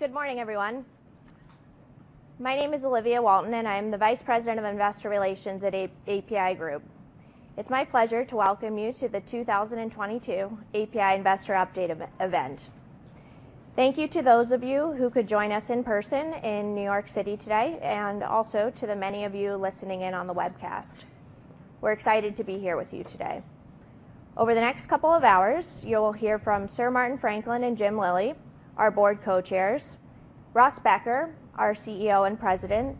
Good morning, everyone. My name is Olivia Walton, and I am the Vice President of Investor Relations at APi Group. It's my pleasure to welcome you to the 2022 APi Investor Update event. Thank you to those of you who could join us in person in New York City today, and also to the many of you listening in on the webcast. We're excited to be here with you today. Over the next couple of hours, you will hear from Martin Franklin and James E. Lillie, our Board Co-Chairs, Russ Becker, our CEO and President,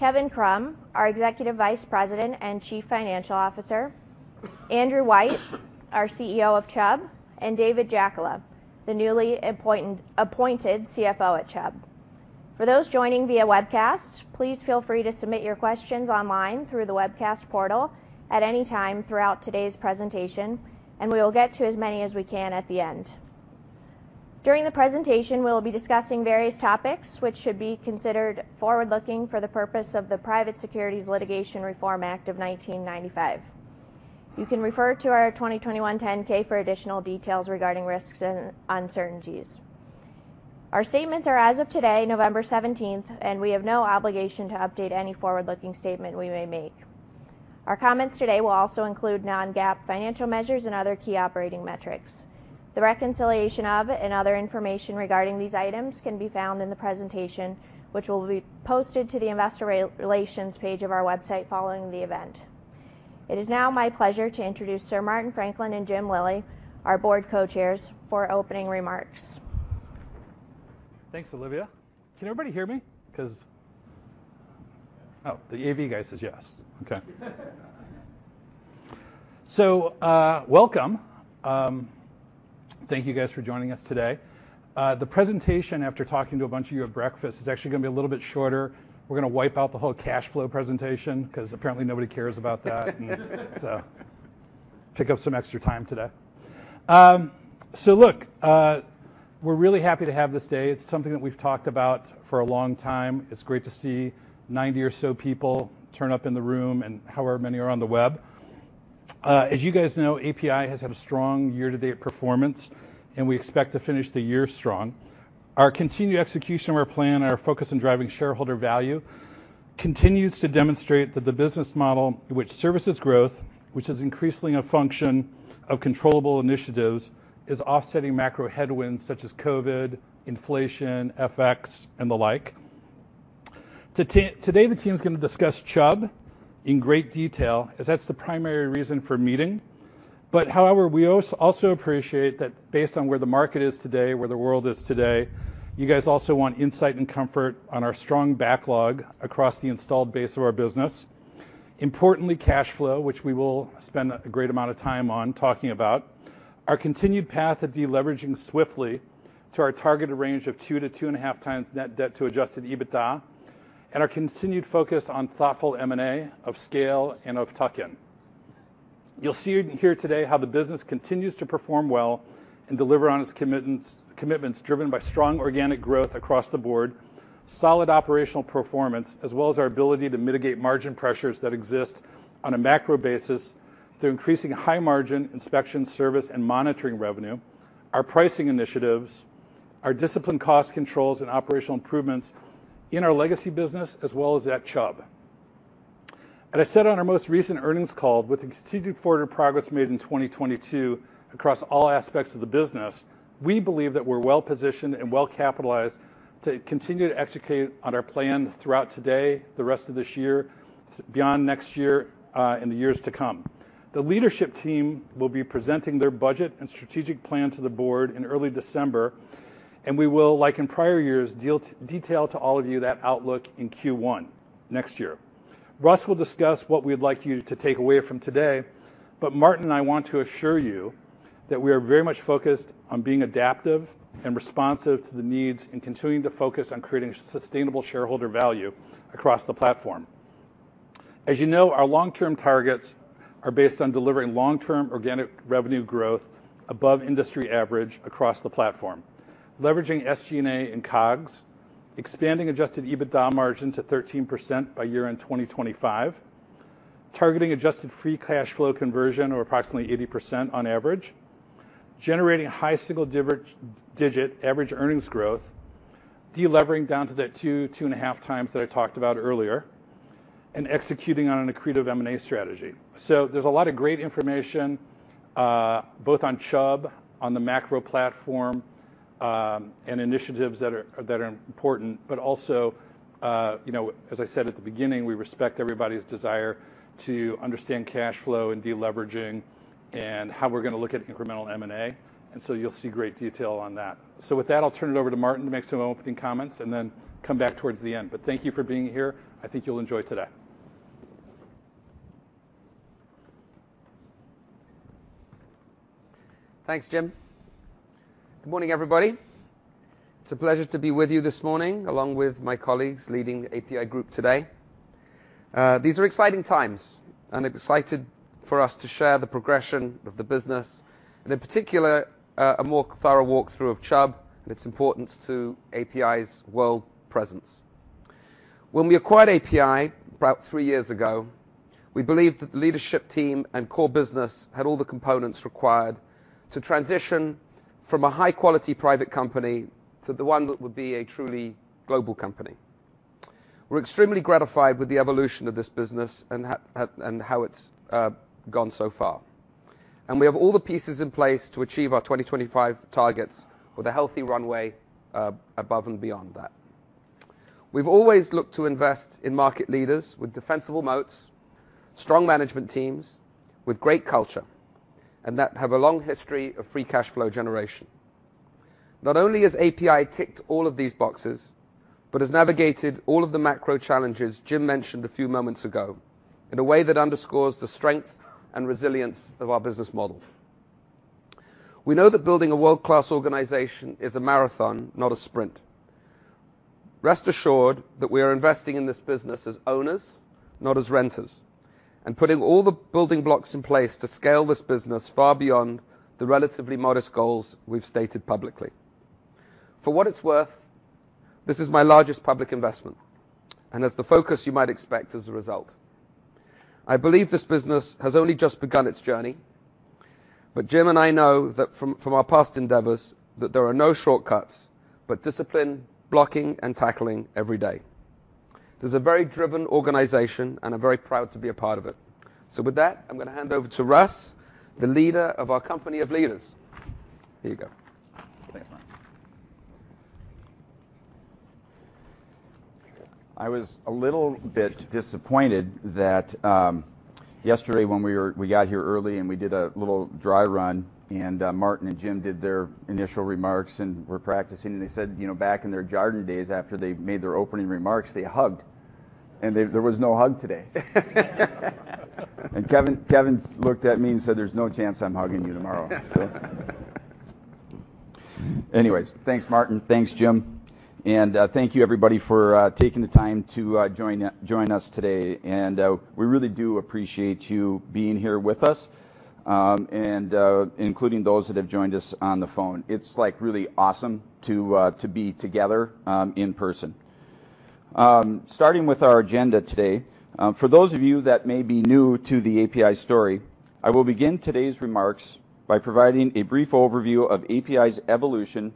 Kevin Krumm, our Executive Vice President and Chief Financial Officer, Andrew White, our CEO of Chubb, and David Jackola, the newly appointed CFO at Chubb. For those joining via webcast, please feel free to submit your questions online through the webcast portal at any time throughout today's presentation, and we will get to as many as we can at the end. During the presentation, we will be discussing various topics which should be considered forward-looking for the purpose of the Private Securities Litigation Reform Act of 1995. You can refer to our 2021 10-K for additional details regarding risks and uncertainties. Our statements are as of today, November 17th, and we have no obligation to update any forward-looking statement we may make. Our comments today will also include non-GAAP financial measures and other key operating metrics. The reconciliation of and other information regarding these items can be found in the presentation, which will be posted to the investor relations page of our website following the event. It is now my pleasure to introduce Martin Franklin and James E. Lillie, our board Co-Chairs, for opening remarks. Thanks, Olivia. Can everybody hear me? 'Cause oh, the A.V. guy says yes. Okay. Welcome. Thank you guys for joining us today. The presentation, after talking to a bunch of you at breakfast, is actually gonna be a little bit shorter. We're gonna wipe out the whole cash flow presentation 'cause apparently nobody cares about that. Pick up some extra time today. Look, we're really happy to have this day. It's something that we've talked about for a long time. It's great to see 90 or so people turn up in the room and however many are on the web. As you guys know, APi has had a strong year-to-date performance, and we expect to finish the year strong. Our continued execution of our plan and our focus on driving shareholder value continues to demonstrate that the business model in which services growth, which is increasingly a function of controllable initiatives, is offsetting macro headwinds such as COVID, inflation, FX, and the like. Today, the team's gonna discuss Chubb in great detail, as that's the primary reason for meeting. However, we also appreciate that based on where the market is today, where the world is today, you guys also want insight and comfort on our strong backlog across the installed base of our business. Importantly, cash flow, which we will spend a great amount of time on talking about, our continued path of deleveraging swiftly to our targeted range of 2x-2.5x net debt to adjusted EBITDA, and our continued focus on thoughtful M&A of scale and of tuck-in. You'll see and hear today how the business continues to perform well and deliver on its commitments driven by strong organic growth across the board, solid operational performance, as well as our ability to mitigate margin pressures that exist on a macro basis through increasing high-margin inspection service and monitoring revenue, our pricing initiatives, our disciplined cost controls and operational improvements in our legacy business as well as at Chubb. As I said on our most recent earnings call, with the continued forward progress made in 2022 across all aspects of the business, we believe that we're well-positioned and well-capitalized to continue to execute on our plan throughout today, the rest of this year, beyond next year, and the years to come. The leadership team will be presenting their budget and strategic plan to the board in early December. We will, like in prior years, detail to all of you that outlook in Q1 next year. Russ will discuss what we'd like you to take away from today. Martin and I want to assure you that we are very much focused on being adaptive and responsive to the needs and continuing to focus on creating sustainable shareholder value across the platform. As you know, our long-term targets are based on delivering long-term organic revenue growth above industry average across the platform, leveraging SG&A and COGS, expanding adjusted EBITDA margin to 13% by year-end 2025, targeting adjusted free cash flow conversion of approximately 80% on average, generating high single digit average earnings growth, delivering down to that two and a half times that I talked about earlier, and executing on an accretive M&A strategy. So there's a lot of great information, uh, both on Chubb, on the macro platform, um, and initiatives that are, that are important. But also, uh, you know, as I said at the beginning, we respect everybody's desire to understand cash flow and deleveraging and how we're gonna look at incremental M&A, and so you'll see great detail on that. With that, I'll turn it over to Martin to make some opening comments and then come back towards the end. Thank you for being here. I think you'll enjoy today. Thanks, Jim. Good morning, everybody. It's a pleasure to be with you this morning, along with my colleagues leading APi Group today. These are exciting times, and excited for us to share the progression of the business, and in particular, a more thorough walkthrough of Chubb and its importance to APi's world presence. When we acquired APi about three years ago, we believed that the leadership team and core business had all the components required to transition from a high-quality private company to the one that would be a truly global company. We're extremely gratified with the evolution of this business and how it's gone so far. And we have all the pieces in place to achieve our 2025 targets with a healthy runway above and beyond that. We've always looked to invest in market leaders with defensible moats, strong management teams, with great culture, and that have a long history of free cash flow generation. Not only has APi ticked all of these boxes, but has navigated all of the macro challenges Jim mentioned a few moments ago in a way that underscores the strength and resilience of our business model. We know that building a world-class organization is a marathon, not a sprint. Rest assured that we are investing in this business as owners, not as renters, and putting all the building blocks in place to scale this business far beyond the relatively modest goals we've stated publicly. For what it's worth, this is my largest public investment and has the focus you might expect as a result. I believe this business has only just begun its journey. Jim and I know from our past endeavors that there are no shortcuts but discipline, blocking, and tackling every day. This is a very driven organization, and I'm very proud to be a part of it. With that, I'm gonna hand over to Russ, the leader of our company of leaders. Here you go. Thanks, Martin. I was a little bit disappointed that, um, yesterday when we were-- we got here early and we did a little dry run and, uh, Martin and Jim did their initial remarks and were practicing and they said, you know, back in their Jarden days after they made their opening remarks, they hugged, and there was no hug today. And Kevin looked at me and said, "There's no chance I'm hugging you tomorrow." So... Anyways, thanks Martin. Thanks Jim. And, uh, thank you everybody for, uh, taking the time to, uh, join u-join us today. And, uh, we really do appreciate you being here with us, um, and, uh, including those that have joined us on the phone. It's, like, really awesome to, uh, to be together, um, in person. Um, starting with our agenda today. For those of you that may be new to the APi story, I will begin today's remarks by providing a brief overview of APi's evolution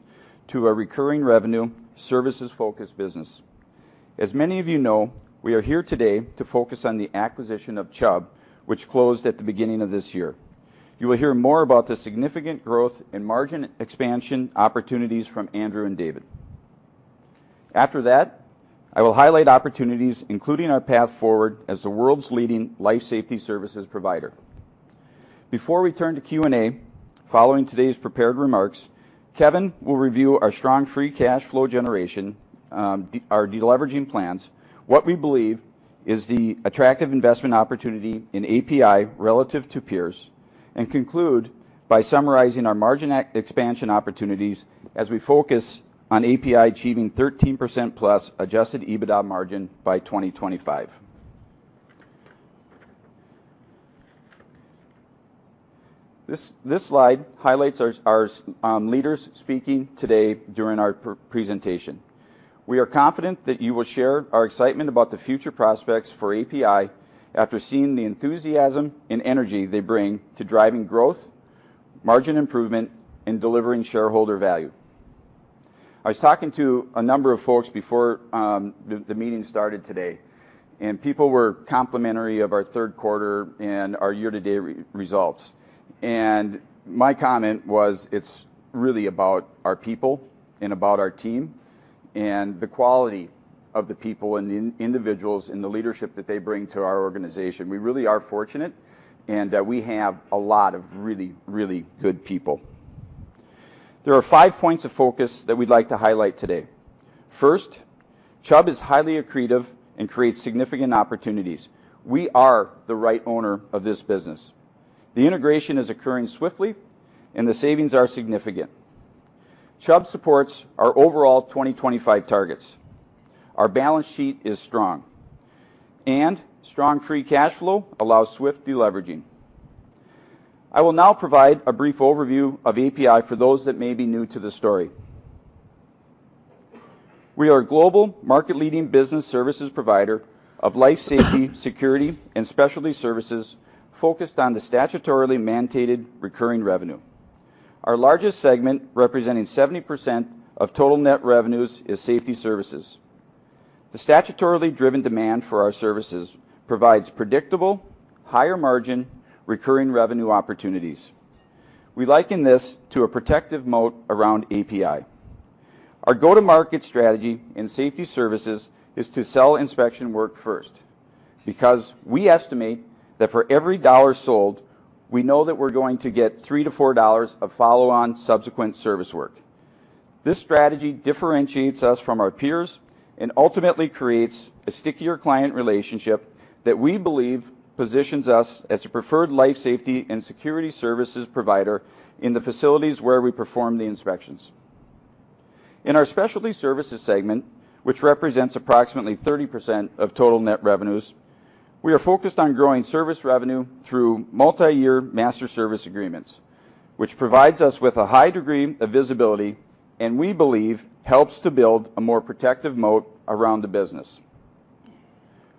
to a recurring revenue services-focused business. As many of you know, we are here today to focus on the acquisition of Chubb, which closed at the beginning of this year. You will hear more about the significant growth and margin expansion opportunities from Andrew and David. After that, I will highlight opportunities, including our path forward as the world's leading life safety services provider. Before we turn to Q&A, following today's prepared remarks, Kevin will review our strong free cash flow generation, our deleveraging plans, what we believe is the attractive investment opportunity in APi relative to peers, and conclude by summarizing our margin expansion opportunities as we focus on APi achieving 13%+ adjusted EBITDA margin by 2025. This slide highlights our leaders speaking today during our presentation. We are confident that you will share our excitement about the future prospects for APi after seeing the enthusiasm and energy they bring to driving growth, margin improvement, and delivering shareholder value. I was talking to a number of folks before the meeting started today, and people were complimentary of our third quarter and our year-to-date results. My comment was, it's really about our people and about our team, and the quality of the people and the individuals and the leadership that they bring to our organization. We really are fortunate and we have a lot of really, really good people. There are five points of focus that we'd like to highlight today. First, Chubb is highly accretive and creates significant opportunities. We are the right owner of this business. The integration is occurring swiftly, and the savings are significant. Chubb supports our overall 2025 targets. Our balance sheet is strong. Strong free cash flow allows swift deleveraging. I will now provide a brief overview of APi for those that may be new to the story. We are a global market-leading business services provider of life safety, security, and specialty services focused on the statutorily mandated recurring revenue. Our largest segment, representing 70% of total net revenues, is safety services. The statutorily driven demand for our services provides predictable, higher-margin, recurring revenue opportunities. We liken this to a protective moat around APi. Our go-to-market strategy in safety services is to sell inspection work first, because we estimate that for every $1 sold, we know that we're going to get $3-$4 of follow-on subsequent service work. This strategy differentiates us from our peers and ultimately creates a stickier client relationship that we believe positions us as a preferred life safety and security services provider in the facilities where we perform the inspections. In our specialty services segment, which represents approximately 30% of total net revenues, we are focused on growing service revenue through multi-year master service agreements, which provides us with a high degree of visibility, and we believe helps to build a more protective moat around the business.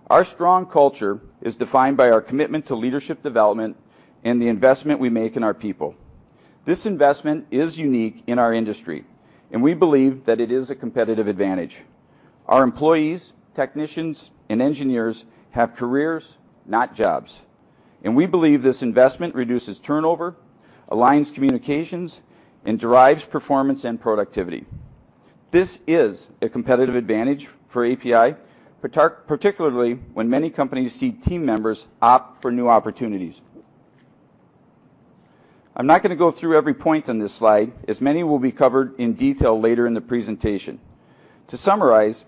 Our strong culture is defined by our commitment to leadership development and the investment we make in our people. This investment is unique in our industry, and we believe that it is a competitive advantage. Our employees, technicians, and engineers have careers, not jobs, and we believe this investment reduces turnover, aligns communications, and drives performance and productivity. This is a competitive advantage for APi, particularly when many companies see team members opt for new opportunities. I'm not gonna go through every point on this slide, as many will be covered in detail later in the presentation. To summarize,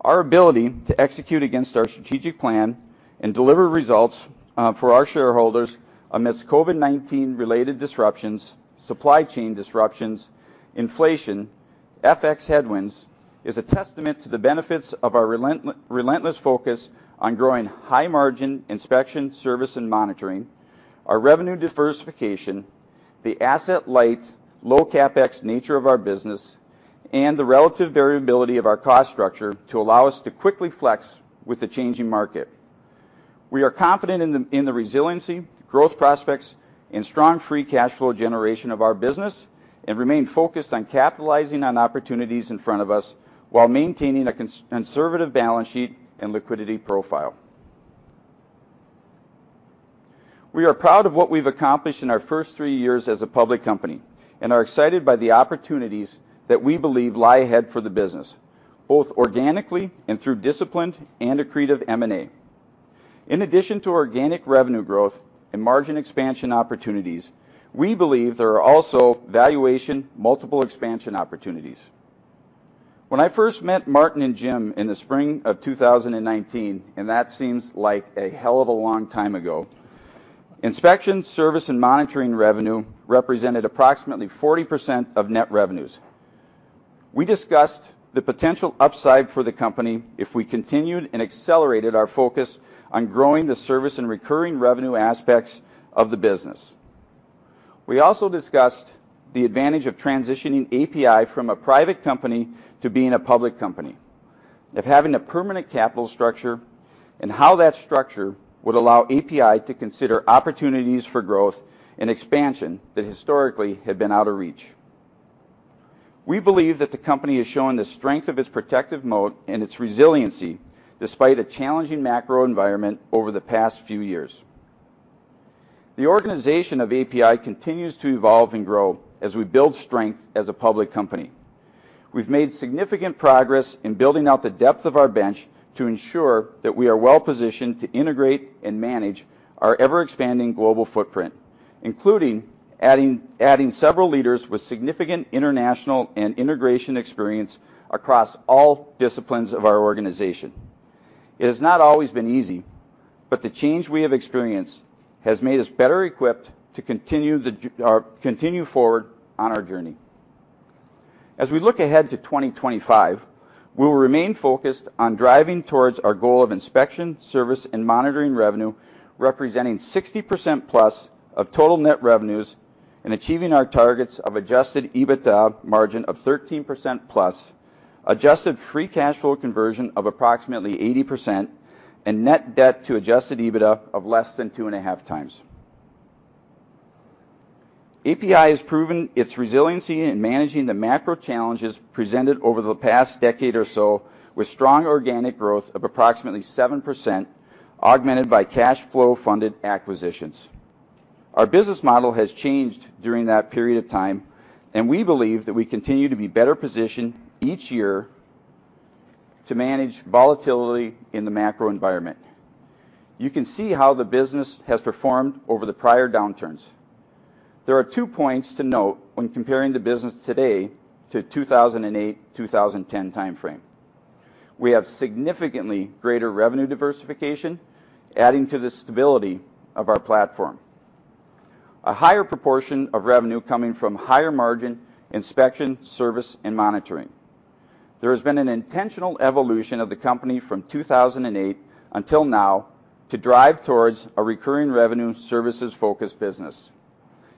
our ability to execute against our strategic plan and deliver results for our shareholders amidst COVID-19-related disruptions, supply chain disruptions, inflation, FX headwinds is a testament to the benefits of our relentless focus on growing high-margin inspection, service, and monitoring, our revenue diversification, the asset-light, low-CapEx nature of our business, and the relative variability of our cost structure to allow us to quickly flex with the changing market. We are confident in the resiliency, growth prospects, and strong free cash flow generation of our business and remain focused on capitalizing on opportunities in front of us while maintaining a conservative balance sheet and liquidity profile. We are proud of what we've accomplished in our first three years as a public company and are excited by the opportunities that we believe lie ahead for the business, both organically and through disciplined and accretive M&A. In addition to organic revenue growth and margin expansion opportunities, we believe there are also valuation multiple expansion opportunities. When I first met Martin and Jim in the spring of 2019, and that seems like a hell of a long time ago, inspection service and monitoring revenue represented approximately 40% of net revenues. We discussed the potential upside for the company if we continued and accelerated our focus on growing the service and recurring revenue aspects of the business. We also discussed the advantage of transitioning APi from a private company to being a public company, of having a permanent capital structure and how that structure would allow APi to consider opportunities for growth and expansion that historically had been out of reach. We believe that the company has shown the strength of its protective moat and its resiliency despite a challenging macro environment over the past few years. The organization of APi continues to evolve and grow as we build strength as a public company. We've made significant progress in building out the depth of our bench to ensure that we are well-positioned to integrate and manage our ever-expanding global footprint, including adding several leaders with significant international and integration experience across all disciplines of our organization. It has not always been easy, but the change we have experienced has made us better equipped to continue forward on our journey. As we look ahead to 2025, we will remain focused on driving towards our goal of inspection, service, and monitoring revenue, representing 60%+ of total net revenues and achieving our targets of adjusted EBITDA margin of 13%+, adjusted free cash flow conversion of approximately 80%, and net debt to adjusted EBITDA of less than 2.5x. APi has proven its resiliency in managing the macro challenges presented over the past decade or so with strong organic growth of approximately 7%, augmented by cash flow-funded acquisitions. Our business model has changed during that period of time, and we believe that we continue to be better positioned each year to manage volatility in the macro environment. You can see how the business has performed over the prior downturns. There are two points to note when comparing the business today to 2008-2010 timeframe. We have significantly greater revenue diversification, adding to the stability of our platform. A higher proportion of revenue coming from higher-margin inspection, service, and monitoring. There has been an intentional evolution of the company from 2008 until now to drive towards a recurring revenue services-focused business.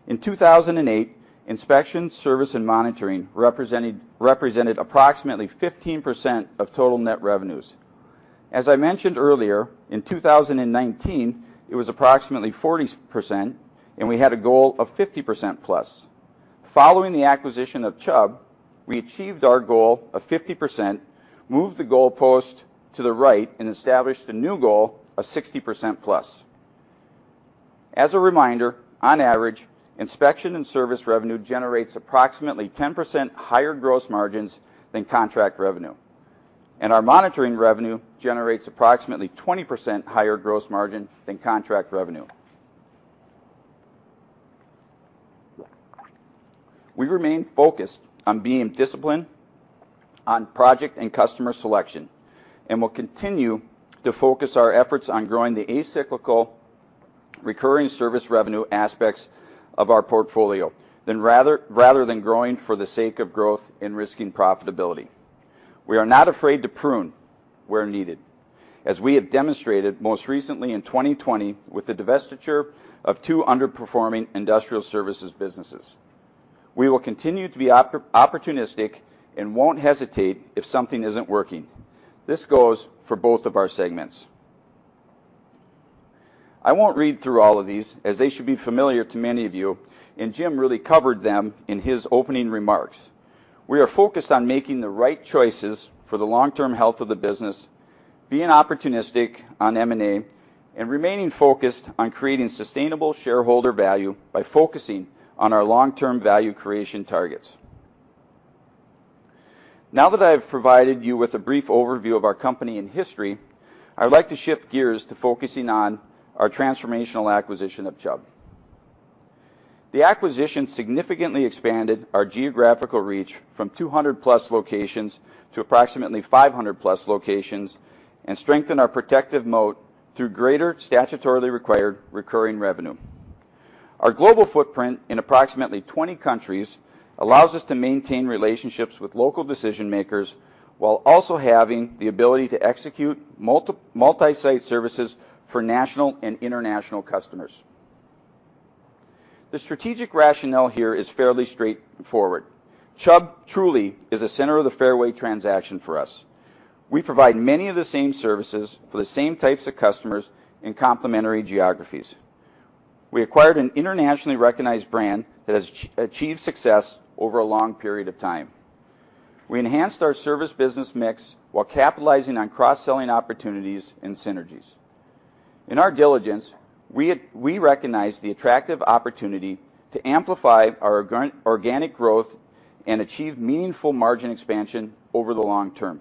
In 2008, inspection, service, and monitoring represented approximately 15% of total net revenues. As I mentioned earlier, in 2019, it was approximately 40%, and we had a goal of 50%+. Following the acquisition of Chubb, we achieved our goal of 50%, moved the goal post to the right, and established a new goal of 60%+. As a reminder, on average, inspection and service revenue generates approximately 10% higher gross margins than contract revenue, and our monitoring revenue generates approximately 20% higher gross margin than contract revenue. We remain focused on being disciplined on project and customer selection and will continue to focus our efforts on growing the acyclical recurring service revenue aspects of our portfolio rather than growing for the sake of growth and risking profitability. We are not afraid to prune where needed, as we have demonstrated most recently in 2020 with the divestiture of two underperforming industrial services businesses. We will continue to be opportunistic and won't hesitate if something isn't working. This goes for both of our segments. I won't read through all of these as they should be familiar to many of you, and James E. Lillie covered them in his opening remarks. We are focused on making the right choices for the long-term health of the business, being opportunistic on M&A, and remaining focused on creating sustainable shareholder value by focusing on our long-term value creation targets. Now that I have provided you with a brief overview of our company and history, I would like to shift gears to focusing on our transformational acquisition of Chubb. The acquisition significantly expanded our geographical reach from 200+ locations to approximately 500+ locations and strengthened our protective moat through greater statutorily required recurring revenue. Our global footprint in approximately 20 countries allows us to maintain relationships with local decision-makers while also having the ability to execute multi-site services for national and international customers. The strategic rationale here is fairly straightforward. Chubb truly is a center of the fairway transaction for us. We provide many of the same services for the same types of customers in complementary geographies. We acquired an internationally recognized brand that has achieved success over a long period of time. We enhanced our service business mix while capitalizing on cross-selling opportunities and synergies. In our diligence, we recognized the attractive opportunity to amplify our organic growth and achieve meaningful margin expansion over the long term.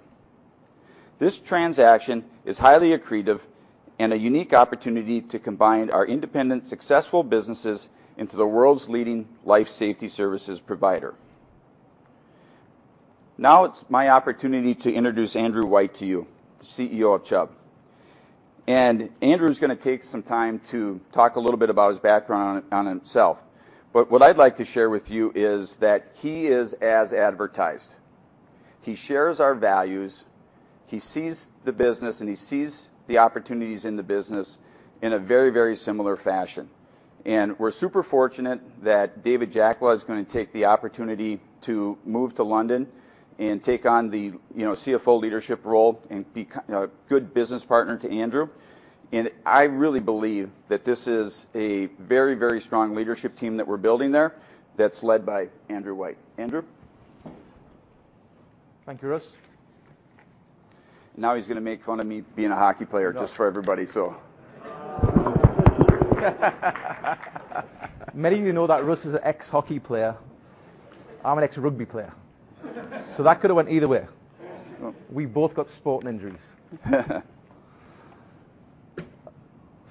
This transaction is highly accretive and a unique opportunity to combine our independent successful businesses into the world's leading life safety services provider. Now it's my opportunity to introduce Andrew White to you, the CEO of Chubb. Andrew is gonna take some time to talk a little bit about his background on himself. What I'd like to share with you is that he is as advertised. He shares our values. He sees the business, and he sees the opportunities in the business in a very similar fashion. We're super fortunate that David Jackola is gonna take the opportunity to move to London and take on the, you know, CFO leadership role and be a good business partner to Andrew. I really believe that this is a very strong leadership team that we're building there that's led by Andrew White. Andrew. Thank you, Russ. Now he's gonna make fun of me being a hockey player just for everybody. Aw. Many of you know that Russ is an ex-hockey player. I'm an ex-rugby player. That could have went either way. Well- We both got sporting injuries.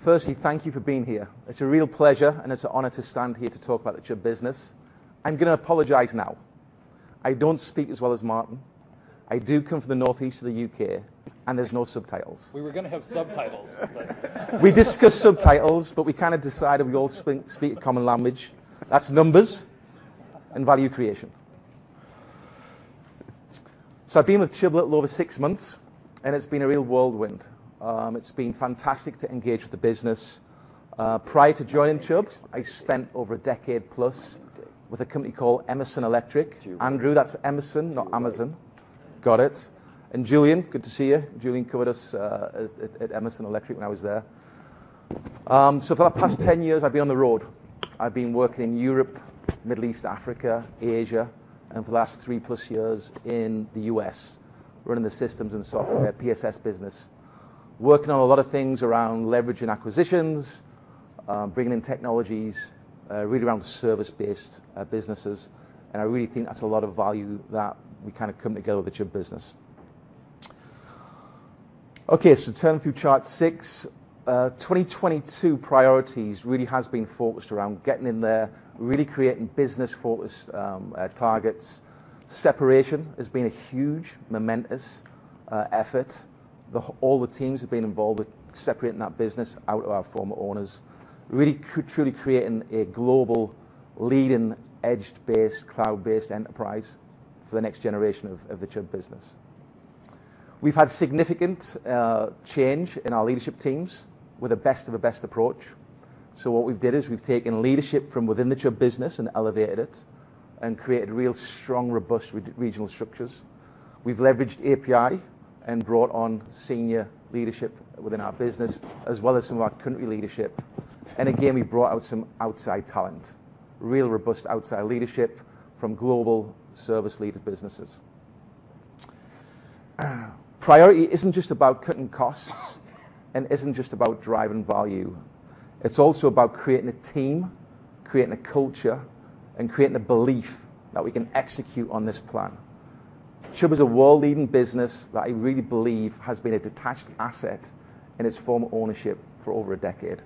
Firstly, thank you for being here. It's a real pleasure, and it's an honor to stand here to talk about the Chubb business. I'm gonna apologize now. I don't speak as well as Martin. I do come from the northeast of the U.K., and there's no subtitles. We were gonna have subtitles. We discussed subtitles, but we kind of decided we all speak a common language. That's numbers and value creation. I've been with Chubb a little over six months, and it's been a real whirlwind. It's been fantastic to engage with the business. Prior to joining Chubb, I spent over a decade plus with a company called Emerson Electric. Andrew, that's Emerson, not Amazon. Got it. Julian, good to see you. Julian covered us at Emerson Electric when I was there. For the past 10 years, I've been on the road. I've been working in Europe, Middle East, Africa, Asia, and for the last three-plus years in the U.S., running the systems and software PSS business, working on a lot of things around leveraging acquisitions, bringing in technologies, really around service-based businesses. I really think that's a lot of value that we kind of come together with the Chubb business. Okay, turning through chart 6. 2022 priorities really has been focused around getting in there, really creating business-focused targets. Separation has been a huge, momentous effort. All the teams have been involved with separating that business out of our former owners, really truly creating a global leading edge-based, cloud-based enterprise for the next generation of the Chubb business. We've had significant change in our leadership teams with a best of the best approach. What we've did is we've taken leadership from within the Chubb business and elevated it and created real strong, robust regional structures. We've leveraged APi and brought on senior leadership within our business as well as some of our country leadership. Again, we brought out some outside talent, real robust outside leadership from global service leader businesses. Priority isn't just about cutting costs and isn't just about driving value. It's also about creating a team, creating a culture, and creating a belief that we can execute on this plan. Chubb is a world-leading business that I really believe has been a detached asset in its former ownership for over a decade.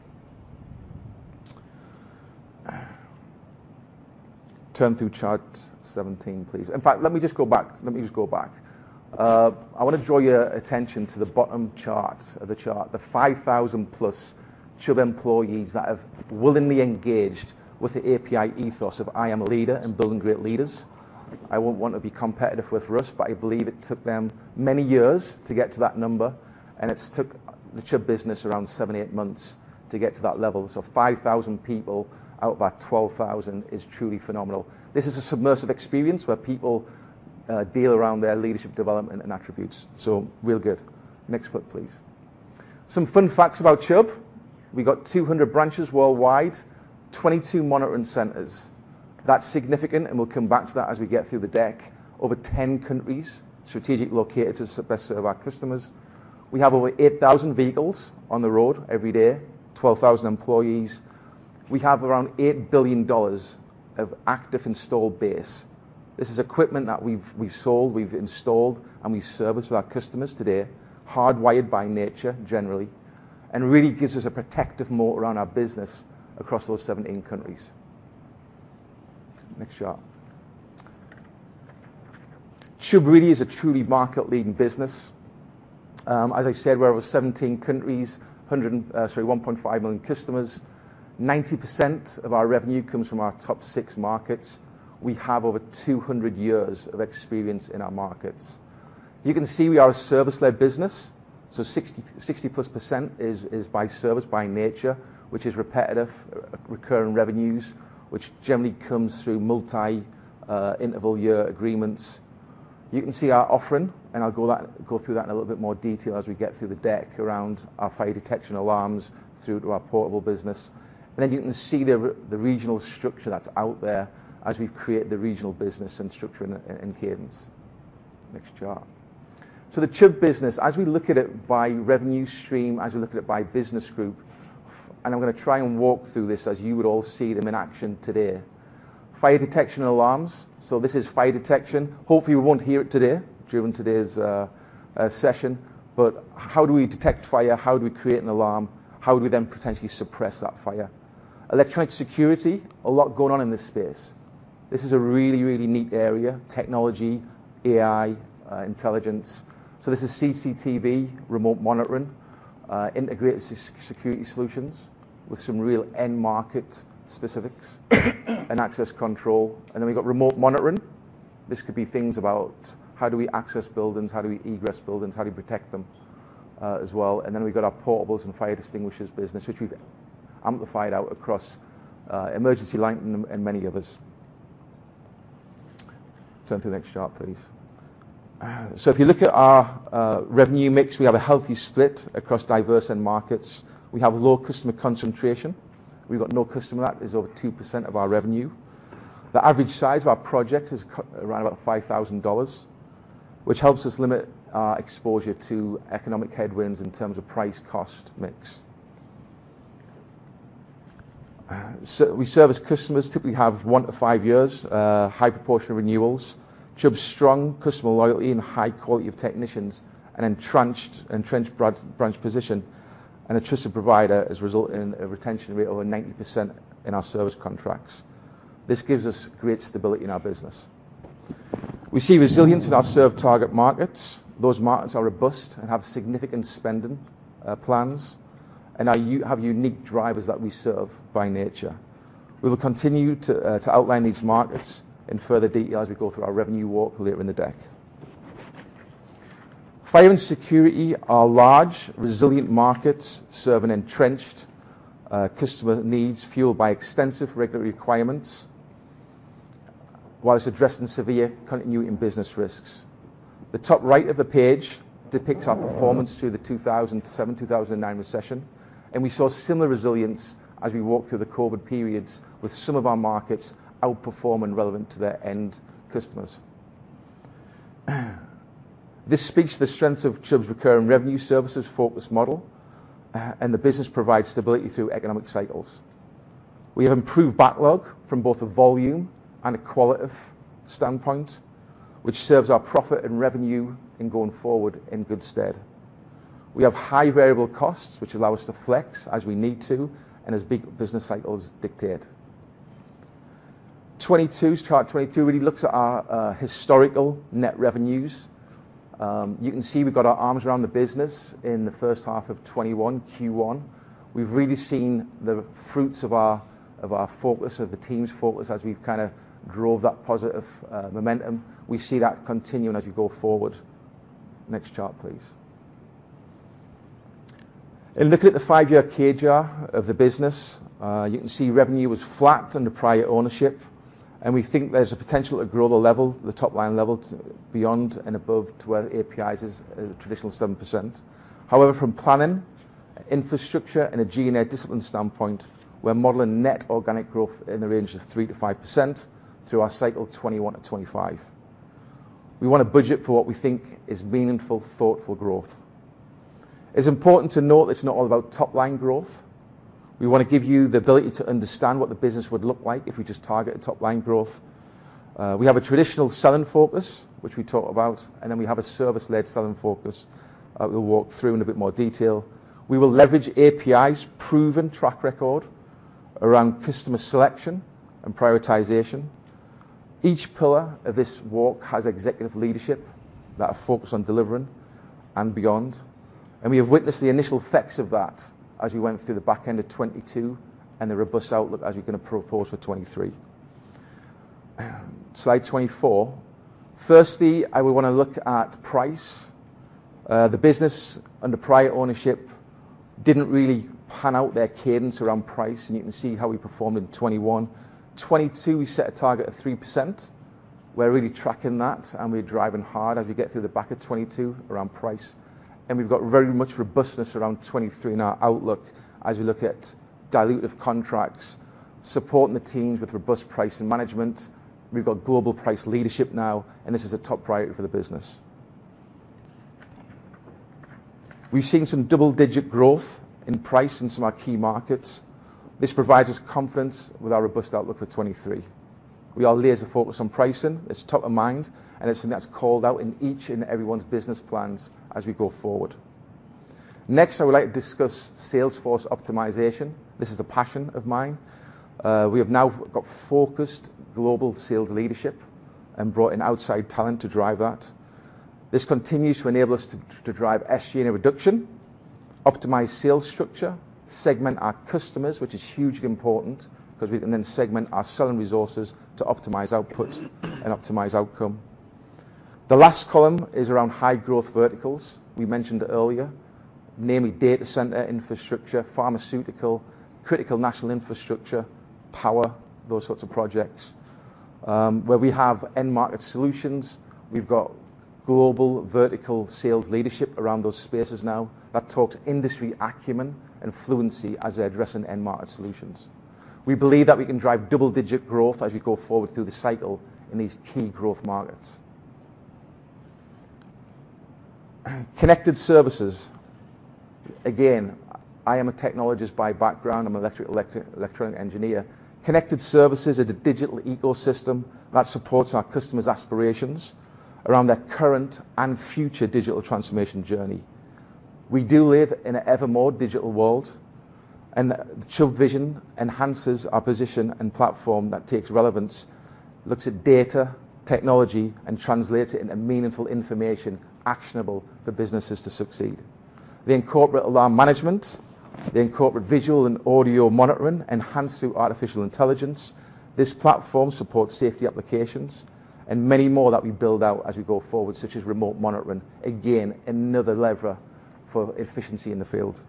Turn through chart 17, please. In fact, let me just go back. I wanna draw your attention to the bottom chart, the 5,000+ Chubb employees that have willingly engaged with the APi ethos of I am a Leader and building great leaders. I won't want to be competitive with Russ, but I believe it took them many years to get to that number, and it took the Chubb business around seven-eight months to get to that level. 5,000 people out of 12,000 is truly phenomenal. This is an immersive experience where people deal around their leadership development and attributes. Real good. Next clip, please. Some fun facts about Chubb. We got 200 branches worldwide, 22 monitoring centers. That's significant, and we'll come back to that as we get through the deck. Over 10 countries, strategically located to best serve our customers. We have over 8,000 vehicles on the road every day, 12,000 employees. We have around $8 billion of active installed base. This is equipment that we've sold, we've installed, and we service to our customers today, hardwired by nature, generally, and really gives us a protective moat around our business across those 17 countries. Next chart. Chubb really is a truly market-leading business. As I said, we're over 17 countries, 1.5 million customers. 90% of our revenue comes from our top six markets. We have over 200 years of experience in our markets. You can see we are a service-led business. 60%+ is by service by nature, which is repetitive, recurring revenues, which generally comes through multi-interval year agreements. You can see our offering, and I'll go through that in a little bit more detail as we get through the deck around our fire detection alarms through to our portable business. You can see the regional structure that's out there as we create the regional business and structure and cadence. Next chart. The Chubb business, as we look at it by revenue stream, as we look at it by business group, and I'm gonna try and walk through this as you would all see them in action today. Fire detection alarms. This is fire detection. Hopefully, we won't hear it today during today's session. How do we detect fire? How do we create an alarm? How do we then potentially suppress that fire? Electronic security, a lot going on in this space. This is a really, really neat area, technology, AI, intelligence. This is CCTV, remote monitoring, integrated security solutions with some real end market specifics and access control. We got remote monitoring. This could be things about how do we access buildings? How do we egress buildings? How do we protect them as well? We've got our portables and fire extinguishers business, which we've amplified out across emergency lighting and many others. Turn to the next chart, please. If you look at our revenue mix, we have a healthy split across diverse end markets. We have low customer concentration. We've got no customer that is over 2% of our revenue. The average size of our project is around about $5,000, which helps us limit our exposure to economic headwinds in terms of price cost mix. We service customers, typically have one-five years, high proportion of renewals. Chubb's strong customer loyalty and high quality of technicians and entrenched branch position and a trusted provider has resulted in a retention rate over 90% in our service contracts. This gives us great stability in our business. We see resilience in our served target markets. Those markets are robust and have significant spending plans and now have unique drivers that we serve by nature. We will continue to outline these markets in further detail as we go through our revenue walk later in the deck. Fire and security are large, resilient markets, serve an entrenched customer needs fueled by extensive regulatory requirements, whilst addressing severe continuing business risks. The top right of the page depicts our performance through the 2007-2009 recession, and we saw similar resilience as we walked through the COVID periods with some of our markets outperforming relevant to their end customers. This speaks to the strength of Chubb's recurring revenue services-focused model, and the business provides stability through economic cycles. We have improved backlog from both a volume and a qualitative standpoint, which serves our profit and revenue in going forward in good stead. We have high variable costs, which allow us to flex as we need to and as big business cycles dictate. 22, chart 22 really looks at our historical net revenues. You can see we got our arms around the business in the first half of 2021, Q1. We've really seen the fruits of our focus, of the team's focus as we kinda drove that positive momentum. We see that continuing as we go forward. Next chart, please. In looking at the five-year CAGR of the business, you can see revenue was flat under prior ownership, and we think there's a potential to grow the top-line level beyond and above to where APi's is traditional 7%. However, from planning, infrastructure, and a G&A discipline standpoint, we're modeling net organic growth in the range of 3%-5% through our cycle 2021-2025. We wanna budget for what we think is meaningful, thoughtful growth. It's important to note it's not all about top-line growth. We wanna give you the ability to understand what the business would look like if we just targeted top-line growth. We have a traditional selling focus, which we talk about, and then we have a service-led selling focus that we'll walk through in a bit more detail. We will leverage APi's proven track record around customer selection and prioritization. Each pillar of this walk has executive leadership that are focused on delivering and beyond, and we have witnessed the initial effects of that as we went through the back end of 2022 and the robust outlook as we're going to propose for 2023. Slide 24. Firstly, I would want to look at price. The business under prior ownership didn't really pan out their cadence around price, and you can see how we performed in 2021. 2022, we set a target of 3%. We're really tracking that, and we're driving hard as we get through the back of 2022 around price. We've got very much robustness around 2023 in our outlook as we look at dilutive contracts, supporting the teams with robust pricing management. We've got global price leadership now, and this is a top priority for the business. We've seen some double-digit growth in price in some of our key markets. This provides us confidence with our robust outlook for 2023. We are laser-focused on pricing. It's top of mind, and it's something that's called out in each and everyone's business plans as we go forward. Next, I would like to discuss salesforce optimization. This is a passion of mine. We have now got focused global sales leadership and brought in outside talent to drive that. This continues to enable us to drive SG&A reduction, optimize sales structure, segment our customers, which is hugely important because we can then segment our selling resources to optimize output and optimize outcome. The last column is around high-growth verticals. We mentioned it earlier, namely data center infrastructure, pharmaceutical, critical national infrastructure, power, those sorts of projects. Where we have end-market solutions, we've got global vertical sales leadership around those spaces now that talks industry acumen and fluency as they're addressing end-market solutions. We believe that we can drive double-digit growth as we go forward through the cycle in these key growth markets. Connected services. Again, I am a technologist by background. I'm electronic engineer. Connected services is a digital ecosystem that supports our customers' aspirations around their current and future digital transformation journey. We do live in an ever more digital world, and the Chubb visiON+ enhances our position and platform that takes relevance, looks at data, technology, and translates it into meaningful information, actionable for businesses to succeed. They incorporate alarm management. They incorporate visual and audio monitoring enhanced through artificial intelligence. This platform supports safety applications and many more that we build out as we go forward, such as remote monitoring. Again, another lever for efficiency in the field.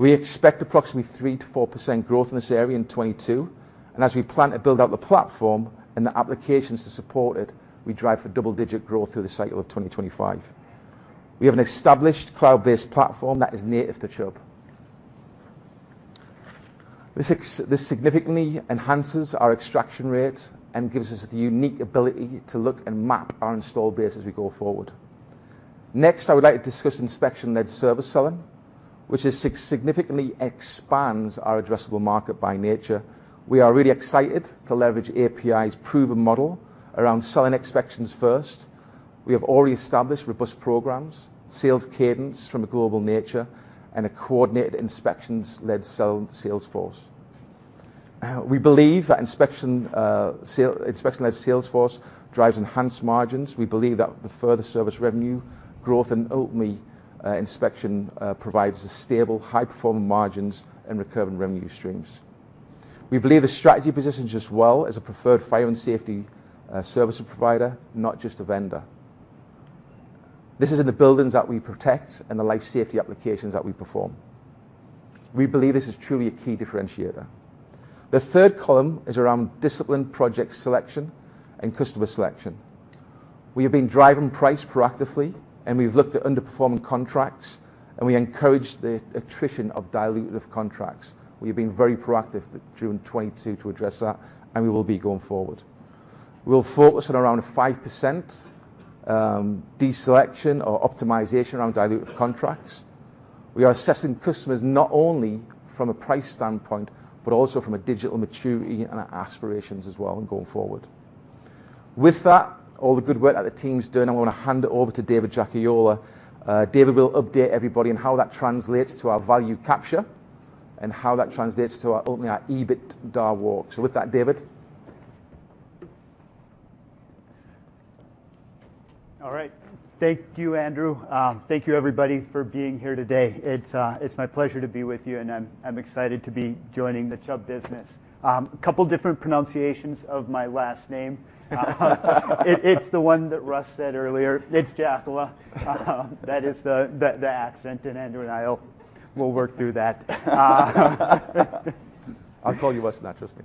We expect approximately 3%-4% growth in this area in 2022, and as we plan to build out the platform and the applications to support it, we drive for double-digit growth through the cycle of 2025. We have an established cloud-based platform that is native to Chubb. This significantly enhances our extraction rate and gives us the unique ability to look and map our installed base as we go forward. Next, I would like to discuss inspection-led service selling, which significantly expands our addressable market by nature. We are really excited to leverage APi's proven model around selling inspections first. We have already established robust programs, sales cadence from a global nature, and a coordinated inspections-led sales force. We believe that inspection-led sales force drives enhanced margins. We believe that the further service revenue growth and ultimately inspection provides a stable, high-performing margins and recurring revenue streams. We believe the strategy positions us well as a preferred fire and safety service provider, not just a vendor. This is in the buildings that we protect and the life safety applications that we perform. We believe this is truly a key differentiator. The third column is around disciplined project selection and customer selection. We have been driving price proactively, and we've looked at underperforming contracts, and we encourage the attrition of dilutive contracts. We have been very proactive during 2022 to address that, and we will be going forward. We'll focus on around 5% deselection or optimization around dilutive contracts. We are assessing customers not only from a price standpoint, but also from a digital maturity and our aspirations as well in going forward. With that, all the good work that the team's doing, I want to hand it over to David Jackola. David will update everybody on how that translates to our value capture and how that translates to ultimately our EBITDA walk. With that, David. All right. Thank you, Andrew. Thank you everybody for being here today. It's my pleasure to be with you, and I'm excited to be joining the Chubb business. A couple different pronunciations of my last name. It's the one that Russ said earlier. It's Jackola. That is the accent, and Andrew and I will work through that. I'll call you Russ tonight. Trust me.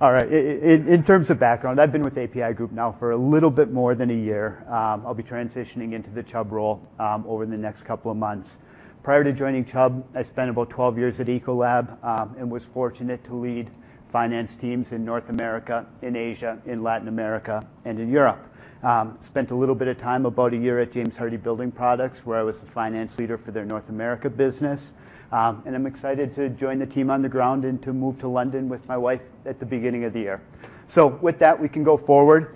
All right. In terms of background, I've been with APi Group now for a little bit more than a year. I'll be transitioning into the Chubb role over the next couple of months. Prior to joining Chubb, I spent about 12 years at Ecolab and was fortunate to lead finance teams in North America, in Asia, in Latin America, and in Europe. Spent a little bit of time, about a year, at James Hardie Building Products, where I was the finance leader for their North America business. I'm excited to join the team on the ground and to move to London with my wife at the beginning of the year. With that, we can go forward.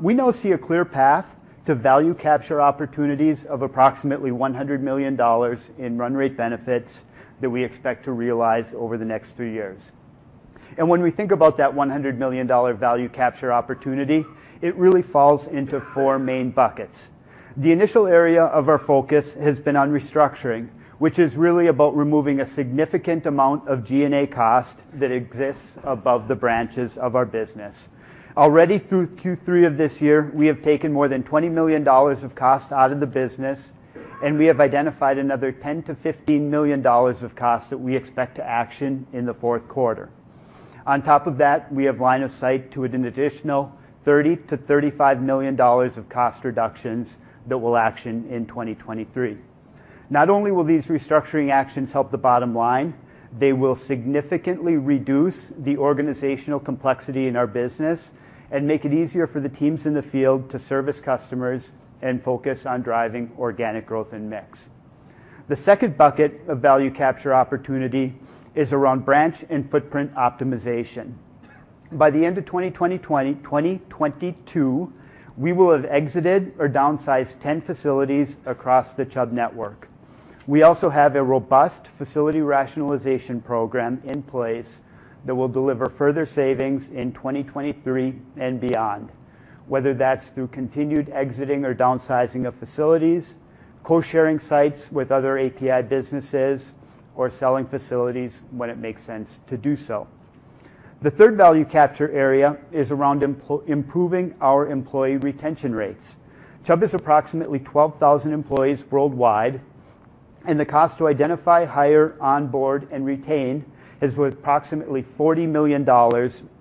We now see a clear path to value capture opportunities of approximately $100 million in run rate benefits that we expect to realize over the next three years. When we think about that 100-million-dollar value capture opportunity, it really falls into four main buckets. The initial area of our focus has been on restructuring, which is really about removing a significant amount of G&A cost that exists above the branches of our business. Already through Q3 of this year, we have taken more than $20 million of cost out of the business, and we have identified another $10 million-$15 million of costs that we expect to action in the fourth quarter. On top of that, we have line of sight to an additional $30 million-$35 million of cost reductions that we'll action in 2023. Not only will these restructuring actions help the bottom line, they will significantly reduce the organizational complexity in our business and make it easier for the teams in the field to service customers and focus on driving organic growth and mix. The second bucket of value capture opportunity is around branch and footprint optimization. By the end of 2022, we will have exited or downsized 10 facilities across the Chubb network. We also have a robust facility rationalization program in place that will deliver further savings in 2023 and beyond, whether that's through continued exiting or downsizing of facilities, co-sharing sites with other APi businesses, or selling facilities when it makes sense to do so. The third value capture area is around improving our employee retention rates. Chubb has approximately 12,000 employees worldwide, and the cost to identify, hire, onboard, and retain is worth approximately $40 million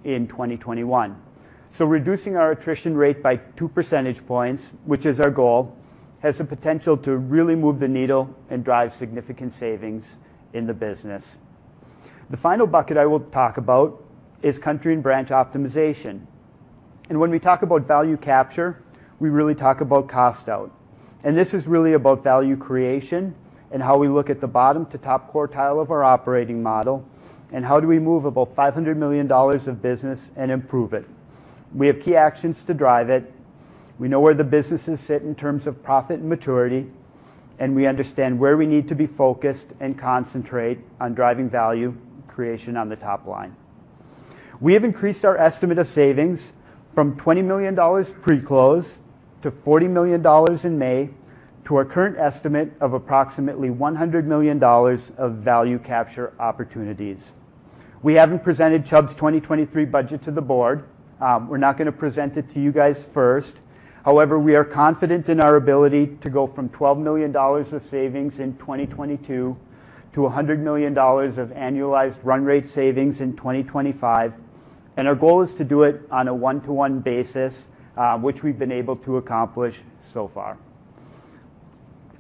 in 2021. Reducing our attrition rate by two percentage points, which is our goal, has the potential to really move the needle and drive significant savings in the business. The final bucket I will talk about is country and branch optimization. When we talk about value capture, we really talk about cost out. This is really about value creation and how we look at the bottom to top quartile of our operating model, and how do we move about $500 million of business and improve it. We have key actions to drive it. We know where the businesses sit in terms of profit and maturity, and we understand where we need to be focused and concentrate on driving value creation on the top line. We have increased our estimate of savings from $20 million pre-close to $40 million in May to our current estimate of approximately $100 million of value capture opportunities. We haven't presented Chubb's 2023 budget to the board. We're not gonna present it to you guys first. However, we are confident in our ability to go from $12 million of savings in 2022 to $100 million of annualized run rate savings in 2025. Our goal is to do it on a 1/1 basis, which we've been able to accomplish so far.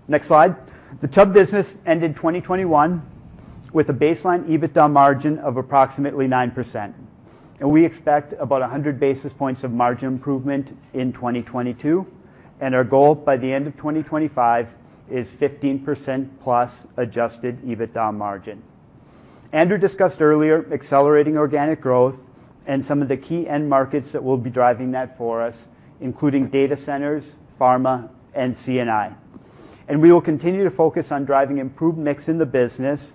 Next slide. The Chubb business ended 2021 with a baseline EBITDA margin of approximately 9%. We expect about 100 basis points of margin improvement in 2022. Our goal by the end of 2025 is 15%+ adjusted EBITDA margin. Andrew discussed earlier accelerating organic growth and some of the key end markets that will be driving that for us, including data centers, pharma, and C&I. We will continue to focus on driving improved mix in the business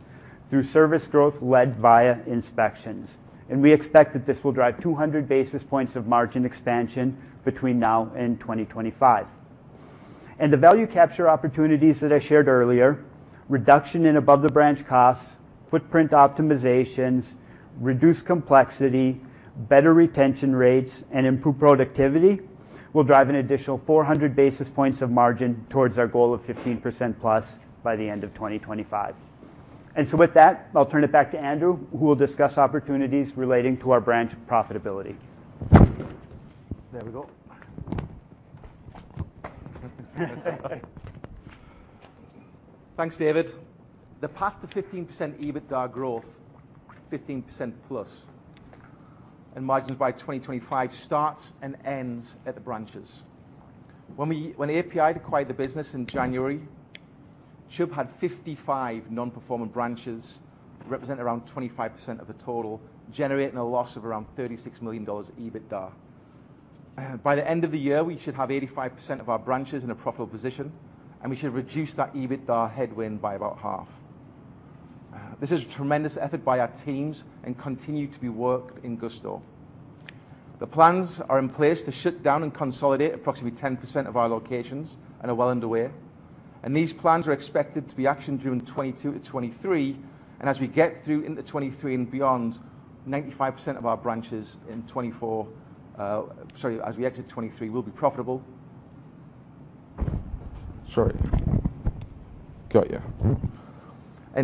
through service growth led via inspections. We expect that this will drive 200 basis points of margin expansion between now and 2025. Value capture opportunities that I shared earlier, reduction in above the branch costs, footprint optimizations, reduced complexity, better retention rates, and improved productivity will drive an additional 400 basis points of margin towards our goal of 15%+ by the end of 2025. With that, I'll turn it back to Andrew, who will discuss opportunities relating to our branch profitability. There we go. Thanks, David. The path to 15% EBITDA growth, 15%+, and margins by 2025 starts and ends at the branches. When APi acquired the business in January, Chubb had 55 non-performing branches, representing around 25% of the total, generating a loss of around $36 million EBITDA. By the end of the year, we should have 85% of our branches in a profitable position, and we should reduce that EBITDA headwind by about half. This is a tremendous effort by our teams and continue to be worked in gusto. The plans are in place to shut down and consolidate approximately 10% of our locations and are well underway. These plans are expected to be actioned during 2022-2023. As we get through into 2023 and beyond, 95% of our branches as we exit 2023 will be profitable.